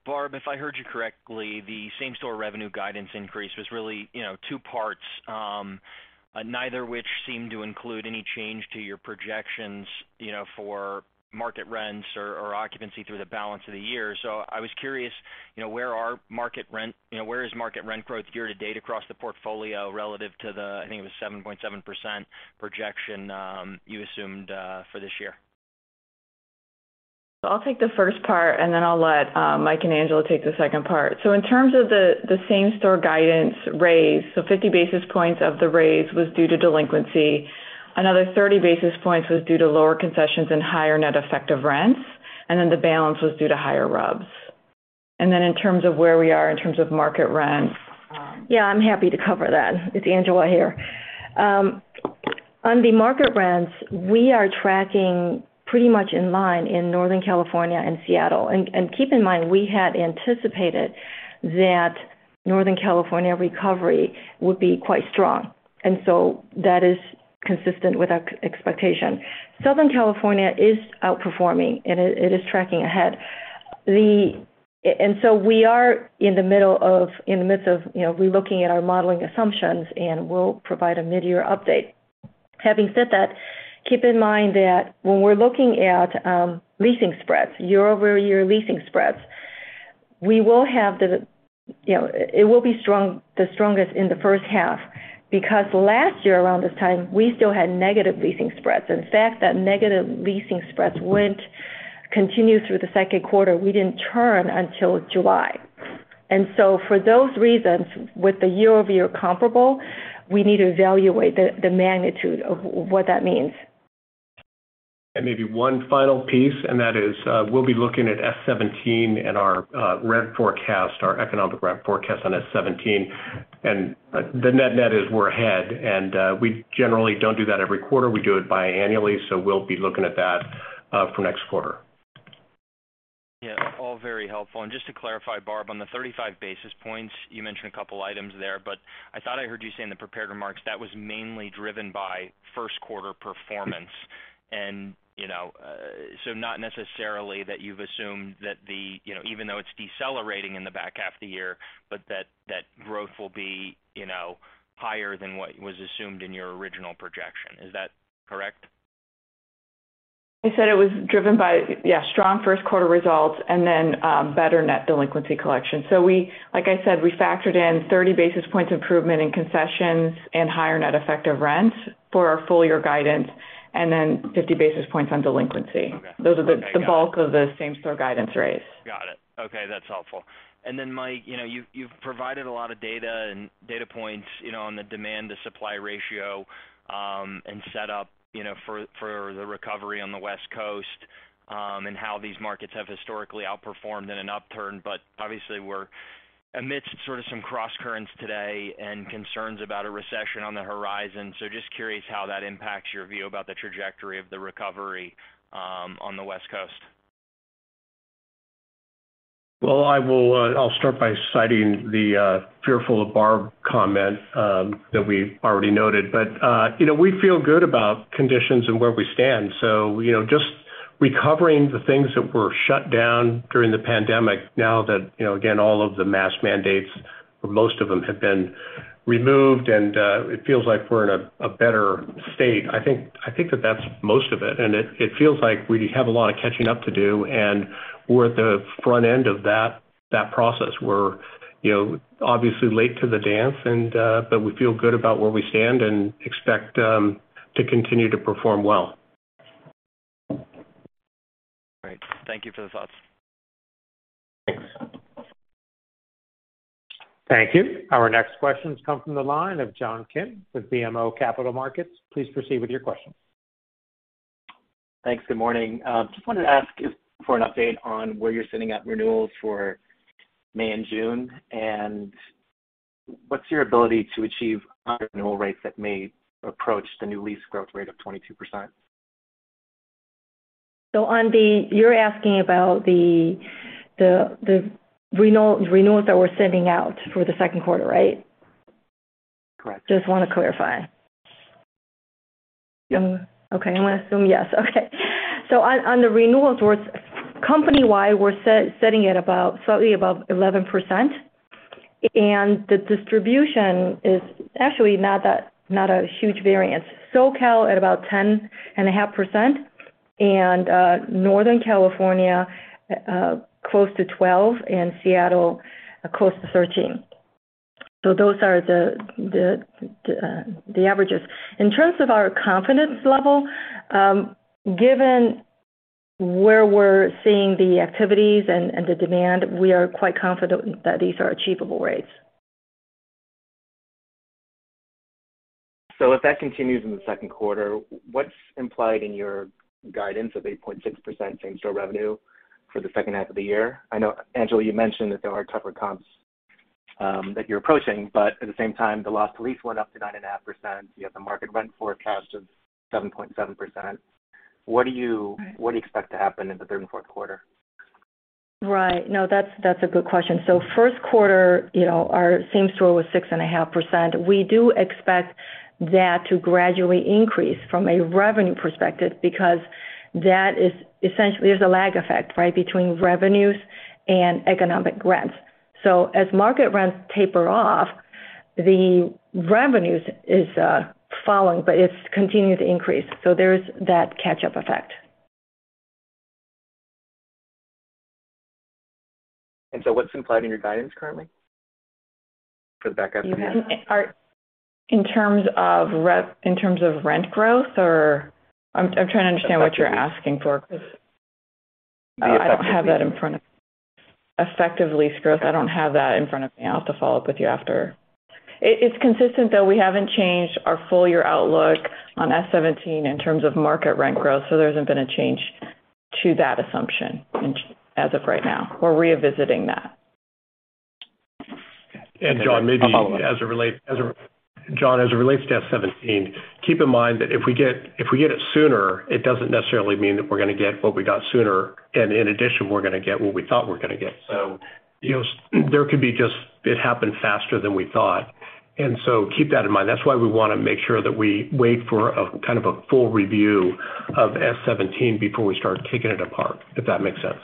Barb, if I heard you correctly, the same-store revenue guidance increase was really, you know, two parts, neither of which seemed to include any change to your projections, you know, for market rents or occupancy through the balance of the year. I was curious, you know, where is market rent growth year-to-date across the portfolio relative to the, I think it was 7.7% projection you assumed for this year? I'll take the first part, and then I'll let Mike and Angela take the second part. In terms of the same-store guidance raise, 50 basis points of the raise was due to delinquency. Another 30 basis points was due to lower concessions and higher net effective rents, and then the balance was due to higher RUBS. In terms of where we are in terms of market rent, Yeah, I'm happy to cover that. It's Angela here. On the market rents, we are tracking pretty much in line in Northern California and Seattle. Keep in mind, we had anticipated that Northern California recovery would be quite strong. That is consistent with our expectation. Southern California is outperforming, and it is tracking ahead. We are in the middle of in the midst of, you know, relooking at our modeling assumptions, and we'll provide a mid-year update. Having said that, keep in mind that when we're looking at leasing spreads, year-over-year leasing spreads, we will have the, you know, it will be strong, the strongest in the first half because last year around this time, we still had negative leasing spreads. In fact, that negative leasing spreads continued through the second quarter. We didn't turn until July. For those reasons, with the year-over-year comparable, we need to evaluate the magnitude of what that means. Maybe one final piece, and that is, we'll be looking at S-17 and our rev forecast, our economic rent forecast on S-17. The net-net is we're ahead, and we generally don't do that every quarter. We do it biannually. We'll be looking at that for next quarter. Yeah. All very helpful. Just to clarify, Barb, on the 35 basis points, you mentioned a couple items there, but I thought I heard you say in the prepared remarks that was mainly driven by first quarter performance. You know, so not necessarily that you've assumed that the, you know, even though it's decelerating in the back half of the year, but that that growth will be, you know, higher than what was assumed in your original projection. Is that correct? I said it was driven by, yeah, strong first quarter results and then, better net delinquency collection. Like I said, we factored in 30 basis points improvement in concessions and higher net effective rents for our full year guidance and then 50 basis points on delinquency. Okay. Those are the bulk of the same-property guidance raise. Got it. Okay, that's helpful. Mike, you know, you've provided a lot of data and data points, you know, on the demand to supply ratio, and set up, you know, for the recovery on the West Coast, and how these markets have historically outperformed in an upturn. Obviously we're amidst sort of some crosscurrents today and concerns about a recession on the horizon. Just curious how that impacts your view about the trajectory of the recovery on the West Coast. Well, I'll start by citing the fearful Barb comment that we already noted. You know, we feel good about conditions and where we stand. You know, just recovering the things that were shut down during the pandemic now that, you know, again, all of the mask mandates or most of them have been removed and it feels like we're in a better state. I think that that's most of it. It feels like we have a lot of catching up to do, and we're at the front end of that process. You know, obviously late to the dance, but we feel good about where we stand and expect to continue to perform well. Great. Thank you for the thoughts. Thanks. Thank you. Our next question comes from the line of John Kim with BMO Capital Markets. Please proceed with your question. Thanks. Good morning. Just wanted to ask for an update on where you're sitting at renewals for May and June, and what's your ability to achieve higher renewal rates that may approach the new lease growth rate of 22%. You're asking about the renewals that we're sending out for the second quarter, right? Correct. Just wanna clarify. Okay, I'm gonna assume yes. Okay. On the renewals, we're company-wide, we're sitting at slightly above 11%. The distribution is actually not a huge variance. SoCal at about 10.5%, Northern California close to 12%, and Seattle close to 13%. Those are the averages. In terms of our confidence level, given where we're seeing the activities and the demand, we are quite confident that these are achievable rates. If that continues in the second quarter, what's implied in your guidance of 8.6% same-property revenue for the second half of the year? I know, Angela, you mentioned that there are tougher comps that you're approaching, but at the same time, the loss to lease went up to 9.5%. You have the market rent forecast of 7.7%. What do you- Right. What do you expect to happen in the third and fourth quarter? Right. No, that's a good question. First quarter, you know, our same-store was 6.5%. We do expect that to gradually increase from a revenue perspective because that is essentially. There's a lag effect, right, between revenues and economic rents. As market rents taper off, the revenues is following, but it's continuing to increase. There's that catch-up effect. What's implied in your guidance currently for the back half of the year? You mean in terms of rent growth, or? I'm trying to understand what you're asking for because I don't have that in front of me. Effective lease growth, I don't have that in front of me. I'll have to follow-up with you after. It's consistent, though. We haven't changed our full year outlook on S-17 in terms of market rent growth, so there hasn't been a change to that assumption as of right now. We're revisiting that. John, as it relates to S-17, keep in mind that if we get it sooner, it doesn't necessarily mean that we're gonna get what we got sooner, and in addition, we're gonna get what we thought we're gonna get. You know, there could be just it happened faster than we thought. Keep that in mind. That's why we wanna make sure that we wait for a kind of a full review of S-17 before we start taking it apart, if that makes sense.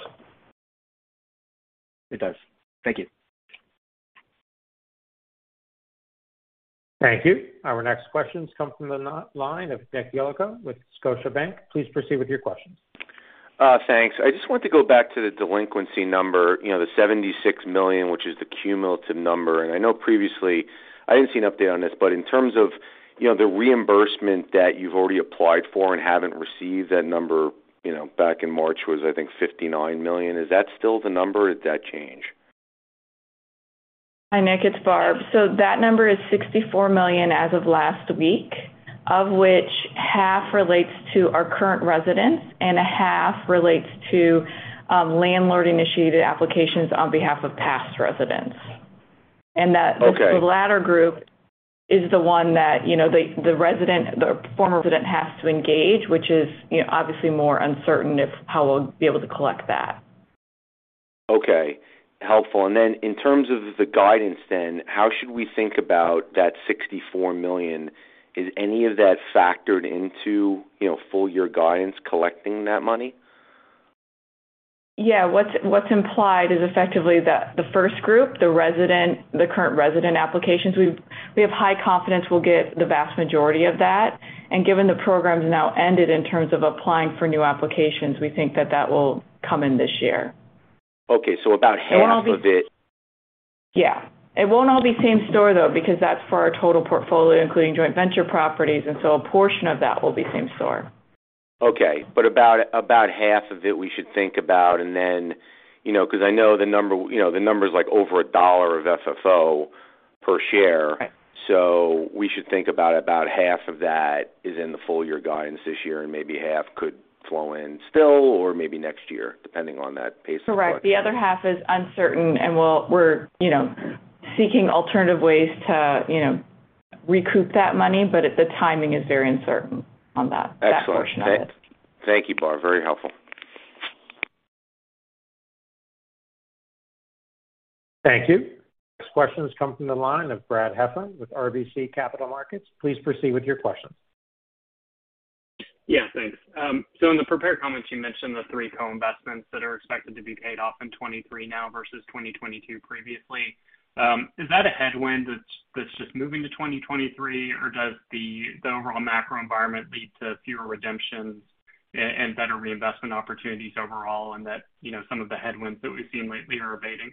It does. Thank you. Thank you. Our next question comes from the line of Nick Yulico with Scotiabank. Please proceed with your questions. Thanks. I just want to go back to the delinquency number, you know, the $76 million, which is the cumulative number. I know previously I didn't see an update on this, but in terms of, you know, the reimbursement that you've already applied for and haven't received, that number, you know, back in March was, I think, $59 million. Is that still the number or did that change? Hi, Nick, it's Barb. That number is $64 million as of last week, of which half relates to our current residents and a half relates to landlord-initiated applications on behalf of past residents. Okay. The latter group is the one that, you know, the former resident has to engage, which is, you know, obviously more uncertain as to how we'll be able to collect that. Okay. Helpful. In terms of the guidance then, how should we think about that $64 million? Is any of that factored into, you know, full year guidance collecting that money? Yeah. What's implied is effectively the first group, the current resident applications. We have high confidence we'll get the vast majority of that. Given the program's now ended in terms of applying for new applications, we think that will come in this year. Okay. About half of it. Yeah. It won't all be same store, though, because that's for our total portfolio, including joint venture properties, and so a portion of that will be same store. Okay. About half of it, we should think about. You know, because I know the number, you know, the number's, like, over $1 of FFO per share. Right. We should think about half of that is in the full year guidance this year, and maybe half could flow in still or maybe next year, depending on that pace of collection. Correct. The other half is uncertain, and we're, you know, seeking alternative ways to, you know, recoup that money. The timing is very uncertain on that. Excellent. that portion of it. Thank you, Barb. Very helpful. Thank you. Next questions come from the line of Brad Heffern with RBC Capital Markets. Please proceed with your questions. Yeah, thanks. So in the prepared comments, you mentioned the three co-investments that are expected to be paid off in 2023 now versus 2022 previously. Is that a headwind that's just moving to 2023? Or does the overall macro environment lead to fewer redemptions and better reinvestment opportunities overall and that, you know, some of the headwinds that we've seen lately are abating?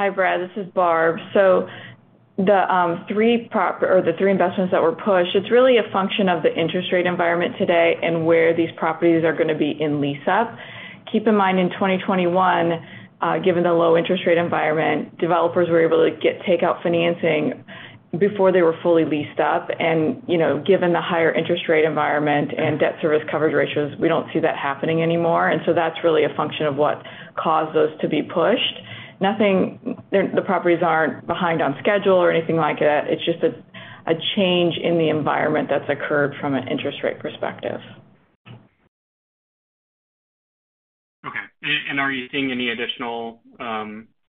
Hi, Brad. This is Barb. The three investments that were pushed, it's really a function of the interest rate environment today and where these properties are gonna be in lease-up. Keep in mind, in 2021, given the low interest rate environment, developers were able to take out financing before they were fully leased up. You know, given the higher interest rate environment and debt service coverage ratios, we don't see that happening anymore. That's really a function of what caused those to be pushed. Nothing. The properties aren't behind on schedule or anything like that. It's just a change in the environment that's occurred from an interest rate perspective. Are you seeing any additional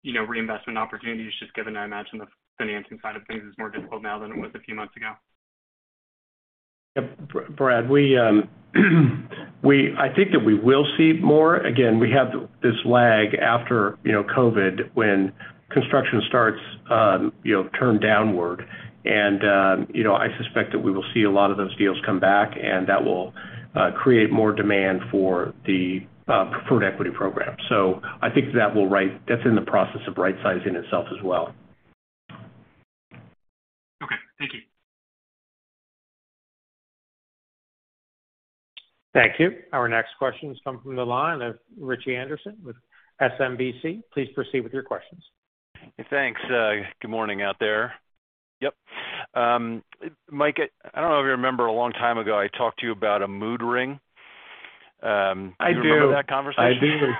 reinvestment opportunities just given, I imagine, the financing side of things is more difficult now than it was a few months ago? Yeah, Brad, I think that we will see more. Again, we have this lag after, you know, COVID when construction starts, you know, turn downward. I suspect that we will see a lot of those deals come back, and that will create more demand for the preferred equity program. I think that's in the process of rightsizing itself as well. Okay, thank you. Thank you. Our next question comes from the line of Rich Anderson with SMBC. Please proceed with your questions. Thanks. Good morning out there. Yep. Mike, I don't know if you remember a long time ago, I talked to you about a mood ring. I do. Do you remember that conversation?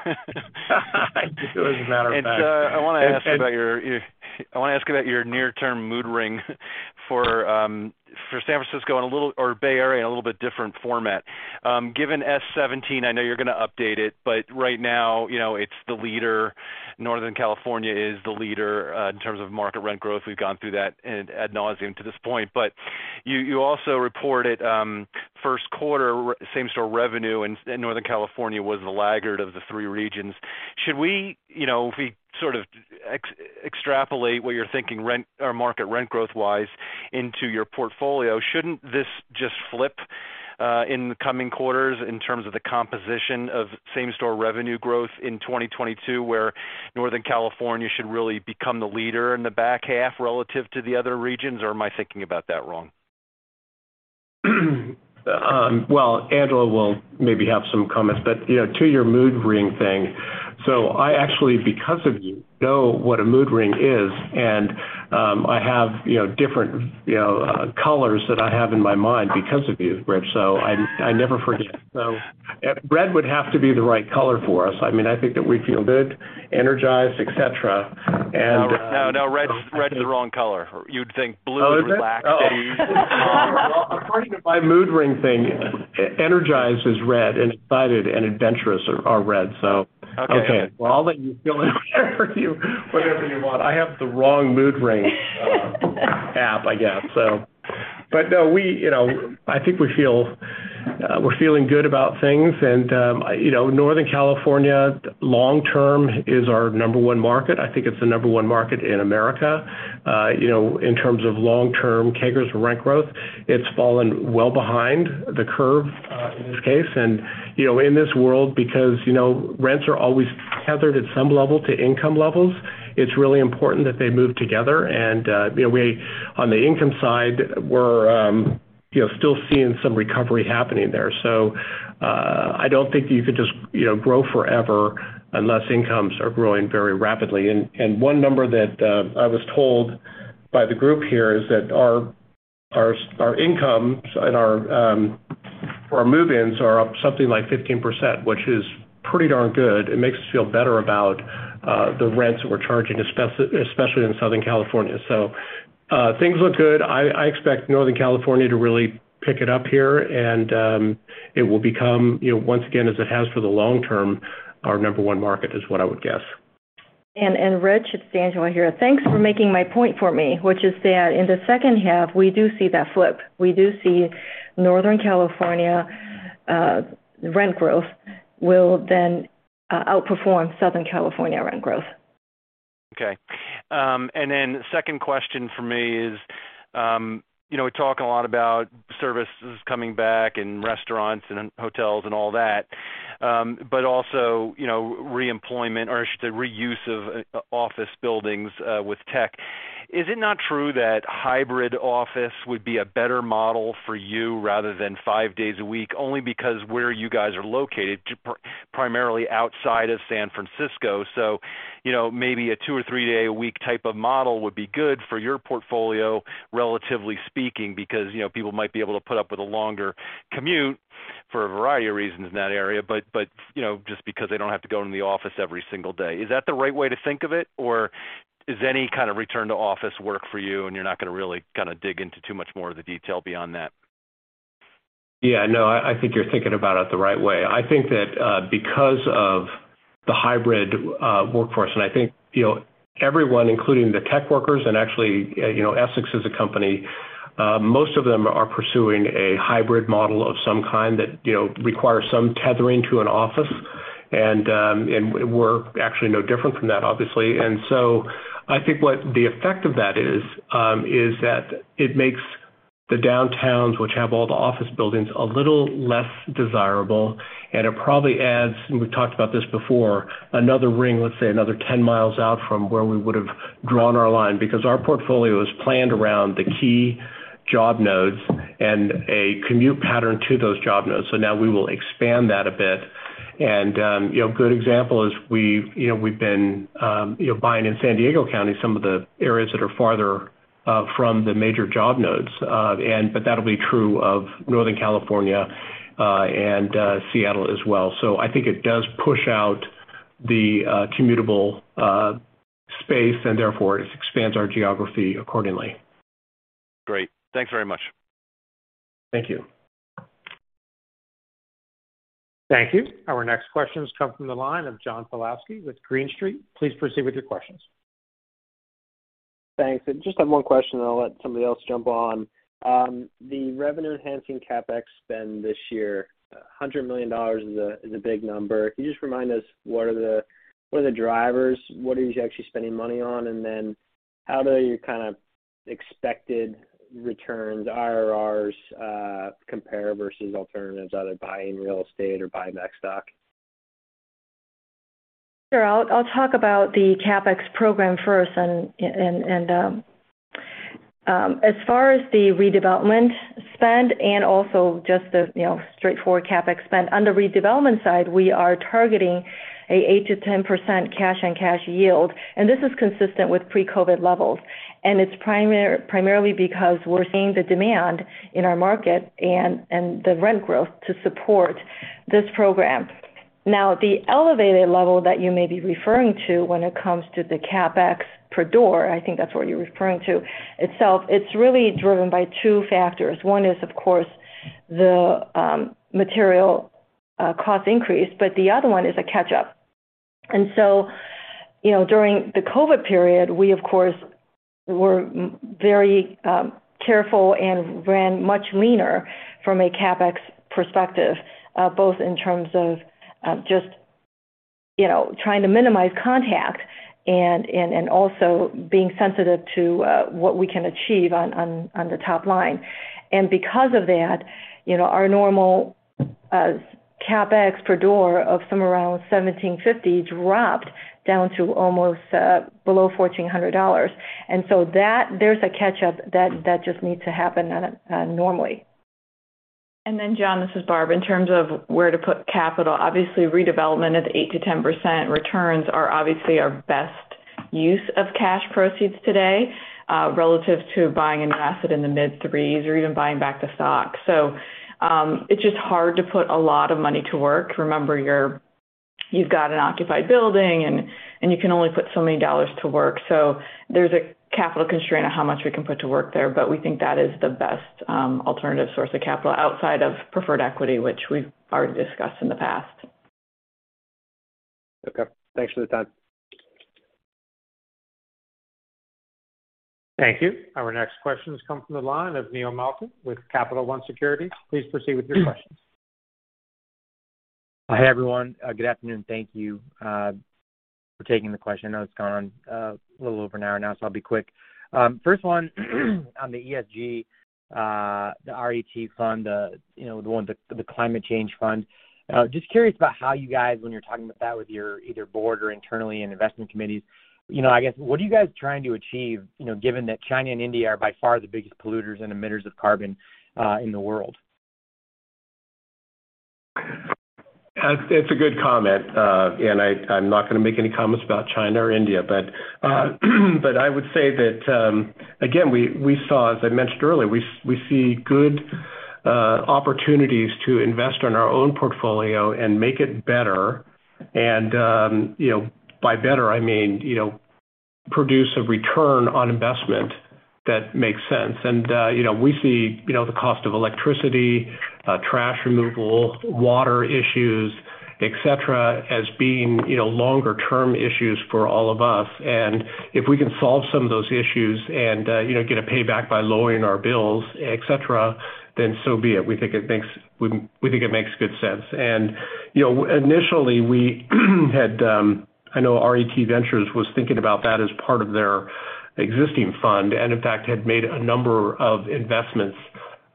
I do, as a matter of fact. I wanna ask you about your near-term mood ring for San Francisco or Bay Area in a little bit different format. Given S-17, I know you're gonna update it, but right now, you know, it's the leader. Northern California is the leader in terms of market rent growth. We've gone through that ad nauseam to this point. You also reported first quarter same-store revenue in Northern California was the laggard of the three regions. Should we, you know, if we sort of extrapolate what you're thinking rent or market rent growth-wise into your portfolio, shouldn't this just flip in the coming quarters in terms of the composition of same store revenue growth in 2022, where Northern California should really become the leader in the back half relative to the other regions? Or am I thinking about that wrong? Well, Angela will maybe have some comments. You know, to your mood ring thing, so I actually, because of you, know what a mood ring is, and I have, you know, different, you know, colors that I have in my mind because of you, Rich. I never forget. Red would have to be the right color for us. I mean, I think that we feel good, energized, et cetera. No, red is the wrong color. You'd think blue is relaxing. Oh, is it? Oh. Well, according to my mood ring thing, energized is red and excited and adventurous are red. Okay. Okay. Well, I'll let you fill in there with you whatever you want. I have the wrong mood ring app, I guess so. No, we, you know, I think we feel we're feeling good about things. You know, Northern California long-term is our number one market. I think it's the number one market in America. You know, in terms of long-term CAGRs rent growth, it's fallen well behind the curve in this case. You know, in this world, because, you know, rents are always tethered at some level to income levels, it's really important that they move together. You know, on the income side, we're you know, still seeing some recovery happening there. I don't think you could just, you know, grow forever unless incomes are growing very rapidly. One number that I was told by the group here is that our income and our move-ins are up something like 15%, which is pretty darn good. It makes us feel better about the rents that we're charging, especially in Southern California. Things look good. I expect Northern California to really pick it up here and it will become, you know, once again as it has for the long term, our number one market is what I would guess. Rich, it's Angela here. Thanks for making my point for me, which is that in the second half, we do see that flip. We do see Northern California rent growth will then outperform Southern California rent growth. Okay. Second question for me is, you know, we talk a lot about services coming back and restaurants and hotels and all that, but also, you know, re-employment or the reuse of office buildings, with tech. Is it not true that hybrid office would be a better model for you rather than five days a week, only because where you guys are located, primarily outside of San Francisco, so you know, maybe a two or three day a week type of model would be good for your portfolio, relatively speaking, because, you know, people might be able to put up with a longer commute for a variety of reasons in that area, but, you know, just because they don't have to go into the office every single day. Is that the right way to think of it? Does any kind of return to office work for you and you're not going to really kind of dig into too much more of the detail beyond that? Yeah, no, I think you're thinking about it the right way. I think that, because of the hybrid workforce, and I think, you know, everyone, including the tech workers and actually, you know, Essex as a company, most of them are pursuing a hybrid model of some kind that, you know, requires some tethering to an office. We're actually no different from that, obviously. I think what the effect of that is that it makes the downtowns, which have all the office buildings, a little less desirable. It probably adds, and we've talked about this before, another ring, let's say another 10 mi out from where we would have drawn our line, because our portfolio is planned around the key job nodes and a commute pattern to those job nodes. Now we will expand that a bit. A good example is we've been buying in San Diego County, some of the areas that are farther from the major job nodes. That'll be true of Northern California and Seattle as well. I think it does push out the commutable space, and therefore it expands our geography accordingly. Great. Thanks very much. Thank you. Thank you. Our next question comes from the line of John Pawlowski with Green Street. Please proceed with your questions. Thanks. I just have one question, then I'll let somebody else jump on. The revenue-enhancing CapEx spend this year, $100 million is a big number. Can you just remind us what are the drivers? What are you actually spending money on? How do your kind of expected returns, IRRs, compare versus alternatives, either buying real estate or buying back stock? Sure. I'll talk about the CapEx program first and as far as the redevelopment spend and also just the you know straightforward CapEx spend. On the redevelopment side, we are targeting 8%-10% cash on cash yield, and this is consistent with pre-COVID levels. It's primarily because we're seeing the demand in our market and the rent growth to support this program. Now, the elevated level that you may be referring to when it comes to the CapEx per door, I think that's what you're referring to itself, it's really driven by two factors. One is, of course, the material cost increase, but the other one is a catch-up. You know, during the COVID period, we of course were very careful and ran much leaner from a CapEx perspective, both in terms of just you know trying to minimize contact and also being sensitive to what we can achieve on the top line. Because of that, you know, our normal CapEx per door of some around $1,750 dropped down to almost below $1,400. That there's a catch-up that just needs to happen normally. John, this is Barb. In terms of where to put capital, obviously redevelopment at 8%-10% returns are obviously our best use of cash proceeds today, relative to buying an asset in the mid-3s% or even buying back the stock. It's just hard to put a lot of money to work. Remember, you've got an occupied building and you can only put so many dollars to work. There's a capital constraint on how much we can put to work there, but we think that is the best alternative source of capital outside of preferred equity, which we've already discussed in the past. Okay. Thanks for the time. Thank you. Our next question comes from the line of Neil Malkin with Capital One Securities. Please proceed with your questions. Hi, everyone. Good afternoon. Thank you for taking the question. I know it's gone a little over an hour now, so I'll be quick. First one, on the ESG, the RET fund, you know, the one, the climate change fund. Just curious about how you guys, when you're talking about that with your either board or internally in investment committees, you know, I guess, what are you guys trying to achieve, you know, given that China and India are by far the biggest polluters and emitters of carbon in the world? It's a good comment. I'm not gonna make any comments about China or India. I would say that again, as I mentioned earlier, we see good opportunities to invest in our own portfolio and make it better. You know, by better, I mean, you know, produce a return on investment that makes sense. You know, we see the cost of electricity, trash removal, water issues, et cetera, as being long-term issues for all of us. If we can solve some of those issues and you know, get a payback by lowering our bills, et cetera, then so be it. We think it makes good sense. You know, initially, we had I know RET Ventures was thinking about that as part of their existing fund, and in fact, had made a number of investments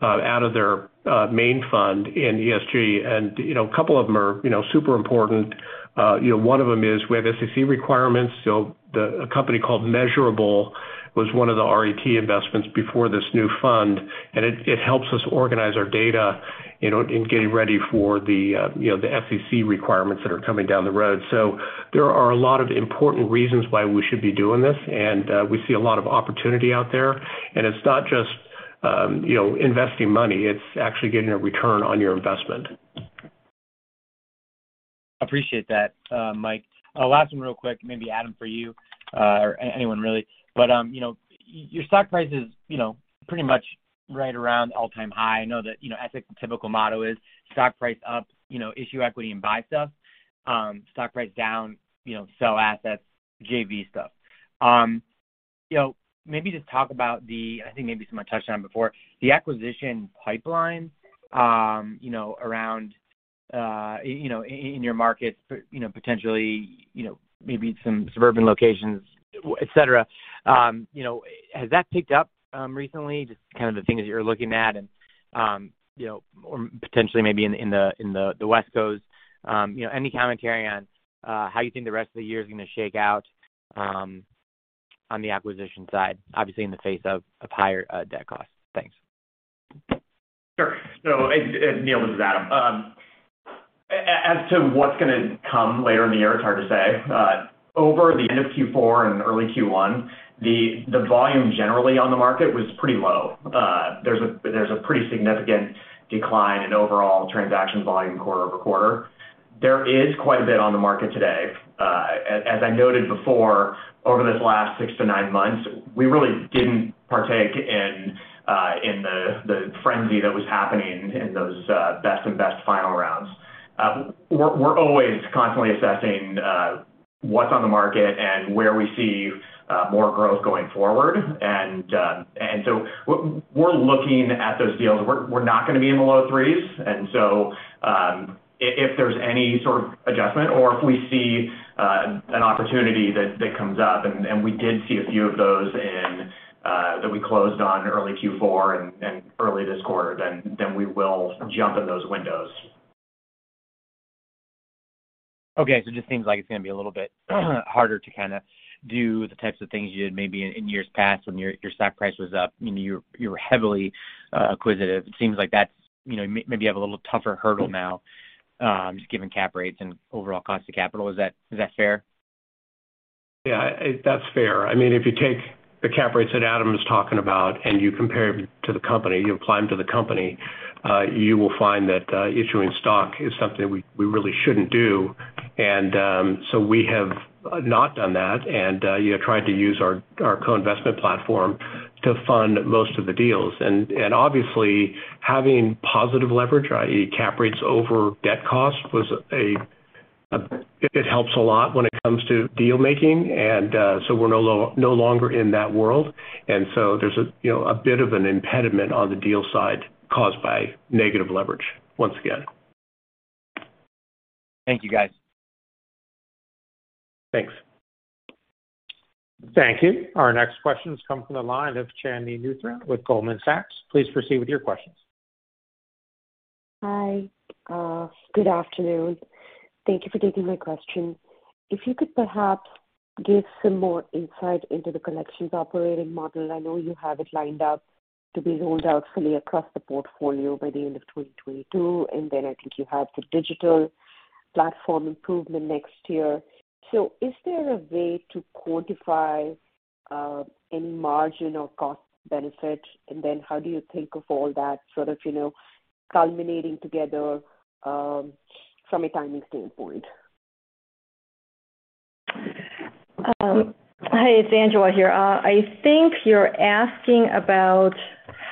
out of their main fund in ESG. You know, a couple of them are super important. You know, one of them is we have SEC requirements. So a company called Measurabl was one of the RET investments before this new fund, and it helps us organize our data, you know, in getting ready for the SEC requirements that are coming down the road. So there are a lot of important reasons why we should be doing this, and we see a lot of opportunity out there. It's not just investing money, it's actually getting a return on your investment. Appreciate that, Mike. Last one real quick, maybe Adam for you, or anyone really. You know, your stock price is, you know, pretty much right around all-time high. I know that, you know, Essex typical motto is stock price up, you know, issue equity and buy stuff. Stock price down, you know, sell assets, JV stuff. You know, maybe just talk about the, I think maybe someone touched on it before, the acquisition pipeline, you know, around, you know, in your markets, you know, potentially, you know, maybe some suburban locations, et cetera. You know, has that picked up, recently? Just kind of the things that you're looking at and, you know, or potentially maybe in the West Coast. You know, any commentary on how you think the rest of the year is gonna shake out on the acquisition side, obviously in the face of higher debt costs? Thanks. It's Neil. This is Adam. As to what's gonna come later in the year, it's hard to say. Over the end of Q4 and early Q1, the volume generally on the market was pretty low. There's a pretty significant decline in overall transaction volume quarter-over-quarter. There is quite a bit on the market today. As I noted before, over this last six to nine months, we really didn't partake in the frenzy that was happening in those best and final rounds. We're always constantly assessing what's on the market and where we see more growth going forward. We're looking at those deals. We're not gonna be in the low threes. If there's any sort of adjustment or if we see an opportunity that comes up, and we did see a few of those that we closed on in early Q4 and early this quarter, then we will jump in those windows. Okay. Just seems like it's gonna be a little bit harder to kinda do the types of things you did maybe in years past when your stock price was up, and you were heavily acquisitive. It seems like that's, you know, maybe you have a little tougher hurdle now, just given cap rates and overall cost of capital. Is that fair? Yeah. That's fair. I mean, if you take the cap rates that Adam is talking about and you compare them to the company, you apply them to the company, you will find that issuing stock is something we really shouldn't do. We have not done that. You know, we tried to use our co-investment platform to fund most of the deals. Obviously, having positive leverage, i.e. cap rates over debt cost, helped a lot when it comes to deal making. We're no longer in that world. You know, there's a bit of an impediment on the deal side caused by negative leverage once again. Thank you, guys. Thanks. Thank you. Our next question comes from the line of Chandni Luthra with Goldman Sachs. Please proceed with your questions. Hi. Good afternoon. Thank you for taking my question. If you could perhaps give some more insight into the Collections Operating Model. I know you have it lined up to be rolled out fully across the portfolio by the end of 2022, and then I think you have the digital platform improvement next year. Is there a way to quantify any margin or cost benefit? And then how do you think of all that sort of, you know, culminating together from a timing standpoint? Hi, it's Angela here. I think you're asking about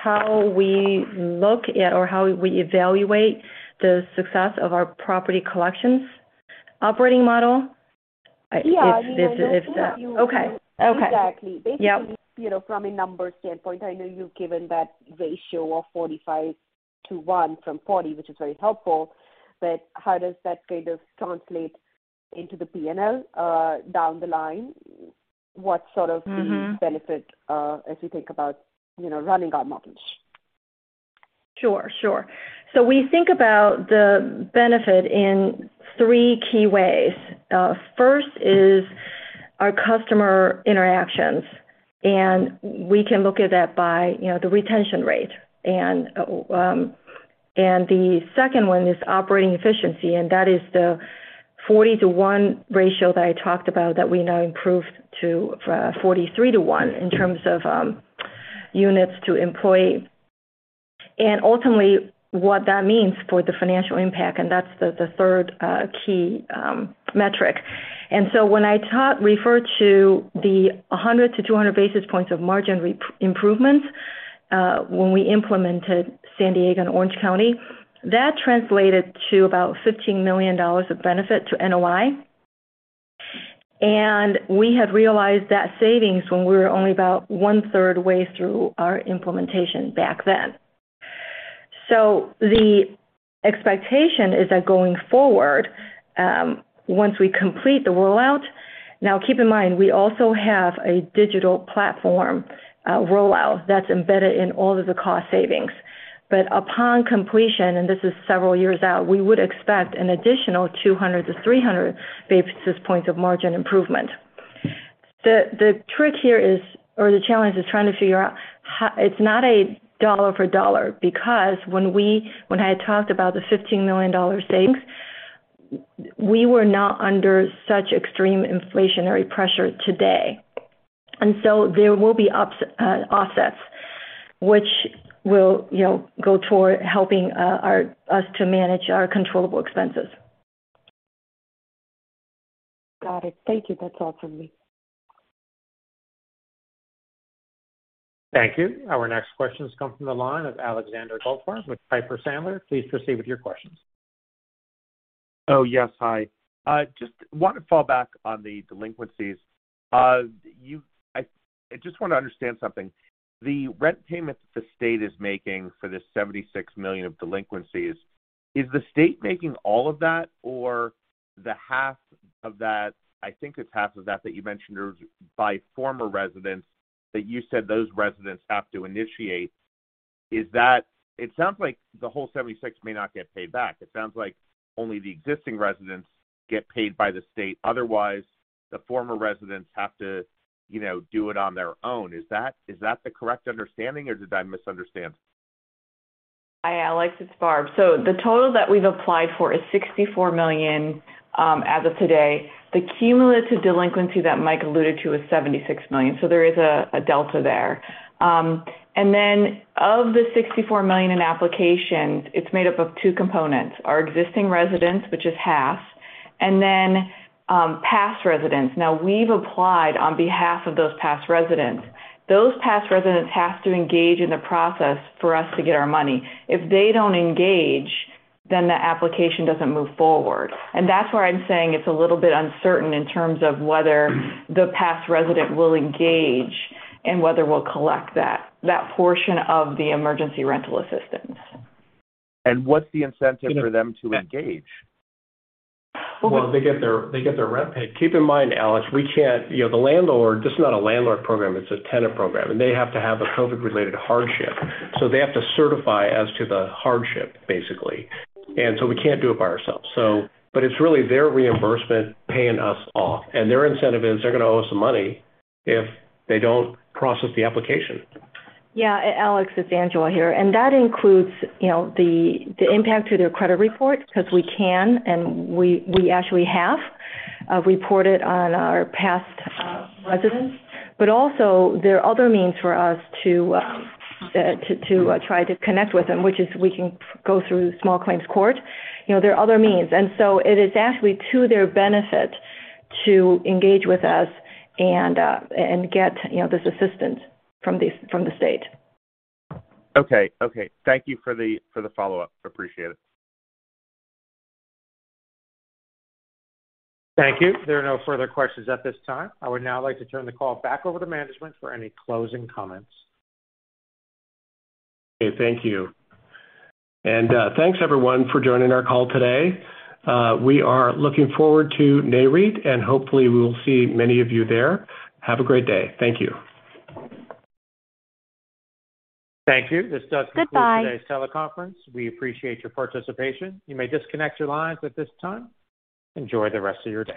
how we look at or how we evaluate the success of our Property Collections Operating Model. Yeah. I mean, I know. If, if that- Exactly. Okay. Yep. Basically, you know, from a numbers standpoint, I know you've given that ratio of 45 to 1 from 40, which is very helpful, but how does that kind of translate into the P&L down the line? What sort of- Mm-hmm. the benefit, as you think about, you know, running our models? Sure, sure. We think about the benefit in three key ways. First is- Our customer interactions, we can look at that by, you know, the retention rate. The second one is operating efficiency, and that is the 40:1 ratio that I talked about that we now improved to 43:1 in terms of units to employee. Ultimately, what that means for the financial impact, and that's the third key metric. When I refer to the 100-200 basis points of margin re-improvements, when we implemented San Diego and Orange County, that translated to about $15 million of benefit to NOI. We had realized that savings when we were only about one third way through our implementation back then. The expectation is that going forward, once we complete the rollout. Now, keep in mind, we also have a digital platform rollout that's embedded in all of the cost savings. Upon completion, and this is several years out, we would expect an additional 200-300 basis points of margin improvement. The trick here is, or the challenge is trying to figure out. It's not a dollar for dollar because when I talked about the $15 million savings, we were not under such extreme inflationary pressure today. There will be offsets which will, you know, go toward helping us to manage our controllable expenses. Got it. Thank you. That's all for me. Thank you. Our next question's come from the line of Alexander Goldfarb with Piper Sandler. Please proceed with your questions. Oh, yes, hi. I just want to follow back on the delinquencies. I just want to understand something. The rent payment that the state is making for the $76 million of delinquencies, is the state making all of that or the half of that, I think it's half of that that you mentioned it was by former residents, that you said those residents have to initiate. Is that? It sounds like the whole $76 million may not get paid back. It sounds like only the existing residents get paid by the state, otherwise the former residents have to, you know, do it on their own. Is that the correct understanding or did I misunderstand? Hi, Alex. It's Barb. The total that we've applied for is $64 million as of today. The cumulative delinquency that Mike alluded to is $76 million, so there is a delta there. Of the $64 million in applications, it's made up of two components: our existing residents, which is half, and then past residents. Now, we've applied on behalf of those past residents. Those past residents have to engage in the process for us to get our money. If they don't engage, then the application doesn't move forward. That's where I'm saying it's a little bit uncertain in terms of whether the past resident will engage and whether we'll collect that portion of the emergency rental assistance. What's the incentive for them to engage? Well, they get their rent paid. Keep in mind, Alex, we can't. You know, the landlord, this is not a landlord program, it's a tenant program, and they have to have a COVID-related hardship. They have to certify as to the hardship, basically. We can't do it by ourselves. But it's really their reimbursement paying us off. Their incentive is they're gonna owe us some money if they don't process the application. Yeah. Alex, it's Angela here. That includes, you know, the impact to their credit report because we can, and we actually have reported on our past residents. Also there are other means for us to try to connect with them, which is we can go through small claims court. You know, there are other means. It is actually to their benefit to engage with us and get, you know, this assistance from the state. Okay. Thank you for the follow-up. Appreciate it. Thank you. There are no further questions at this time. I would now like to turn the call back over to management for any closing comments. Okay, thank you. Thanks everyone for joining our call today. We are looking forward to NAREIT, and hopefully we will see many of you there. Have a great day. Thank you. Thank you. This does conclude. Goodbye. Today's teleconference. We appreciate your participation. You may disconnect your lines at this time. Enjoy the rest of your day.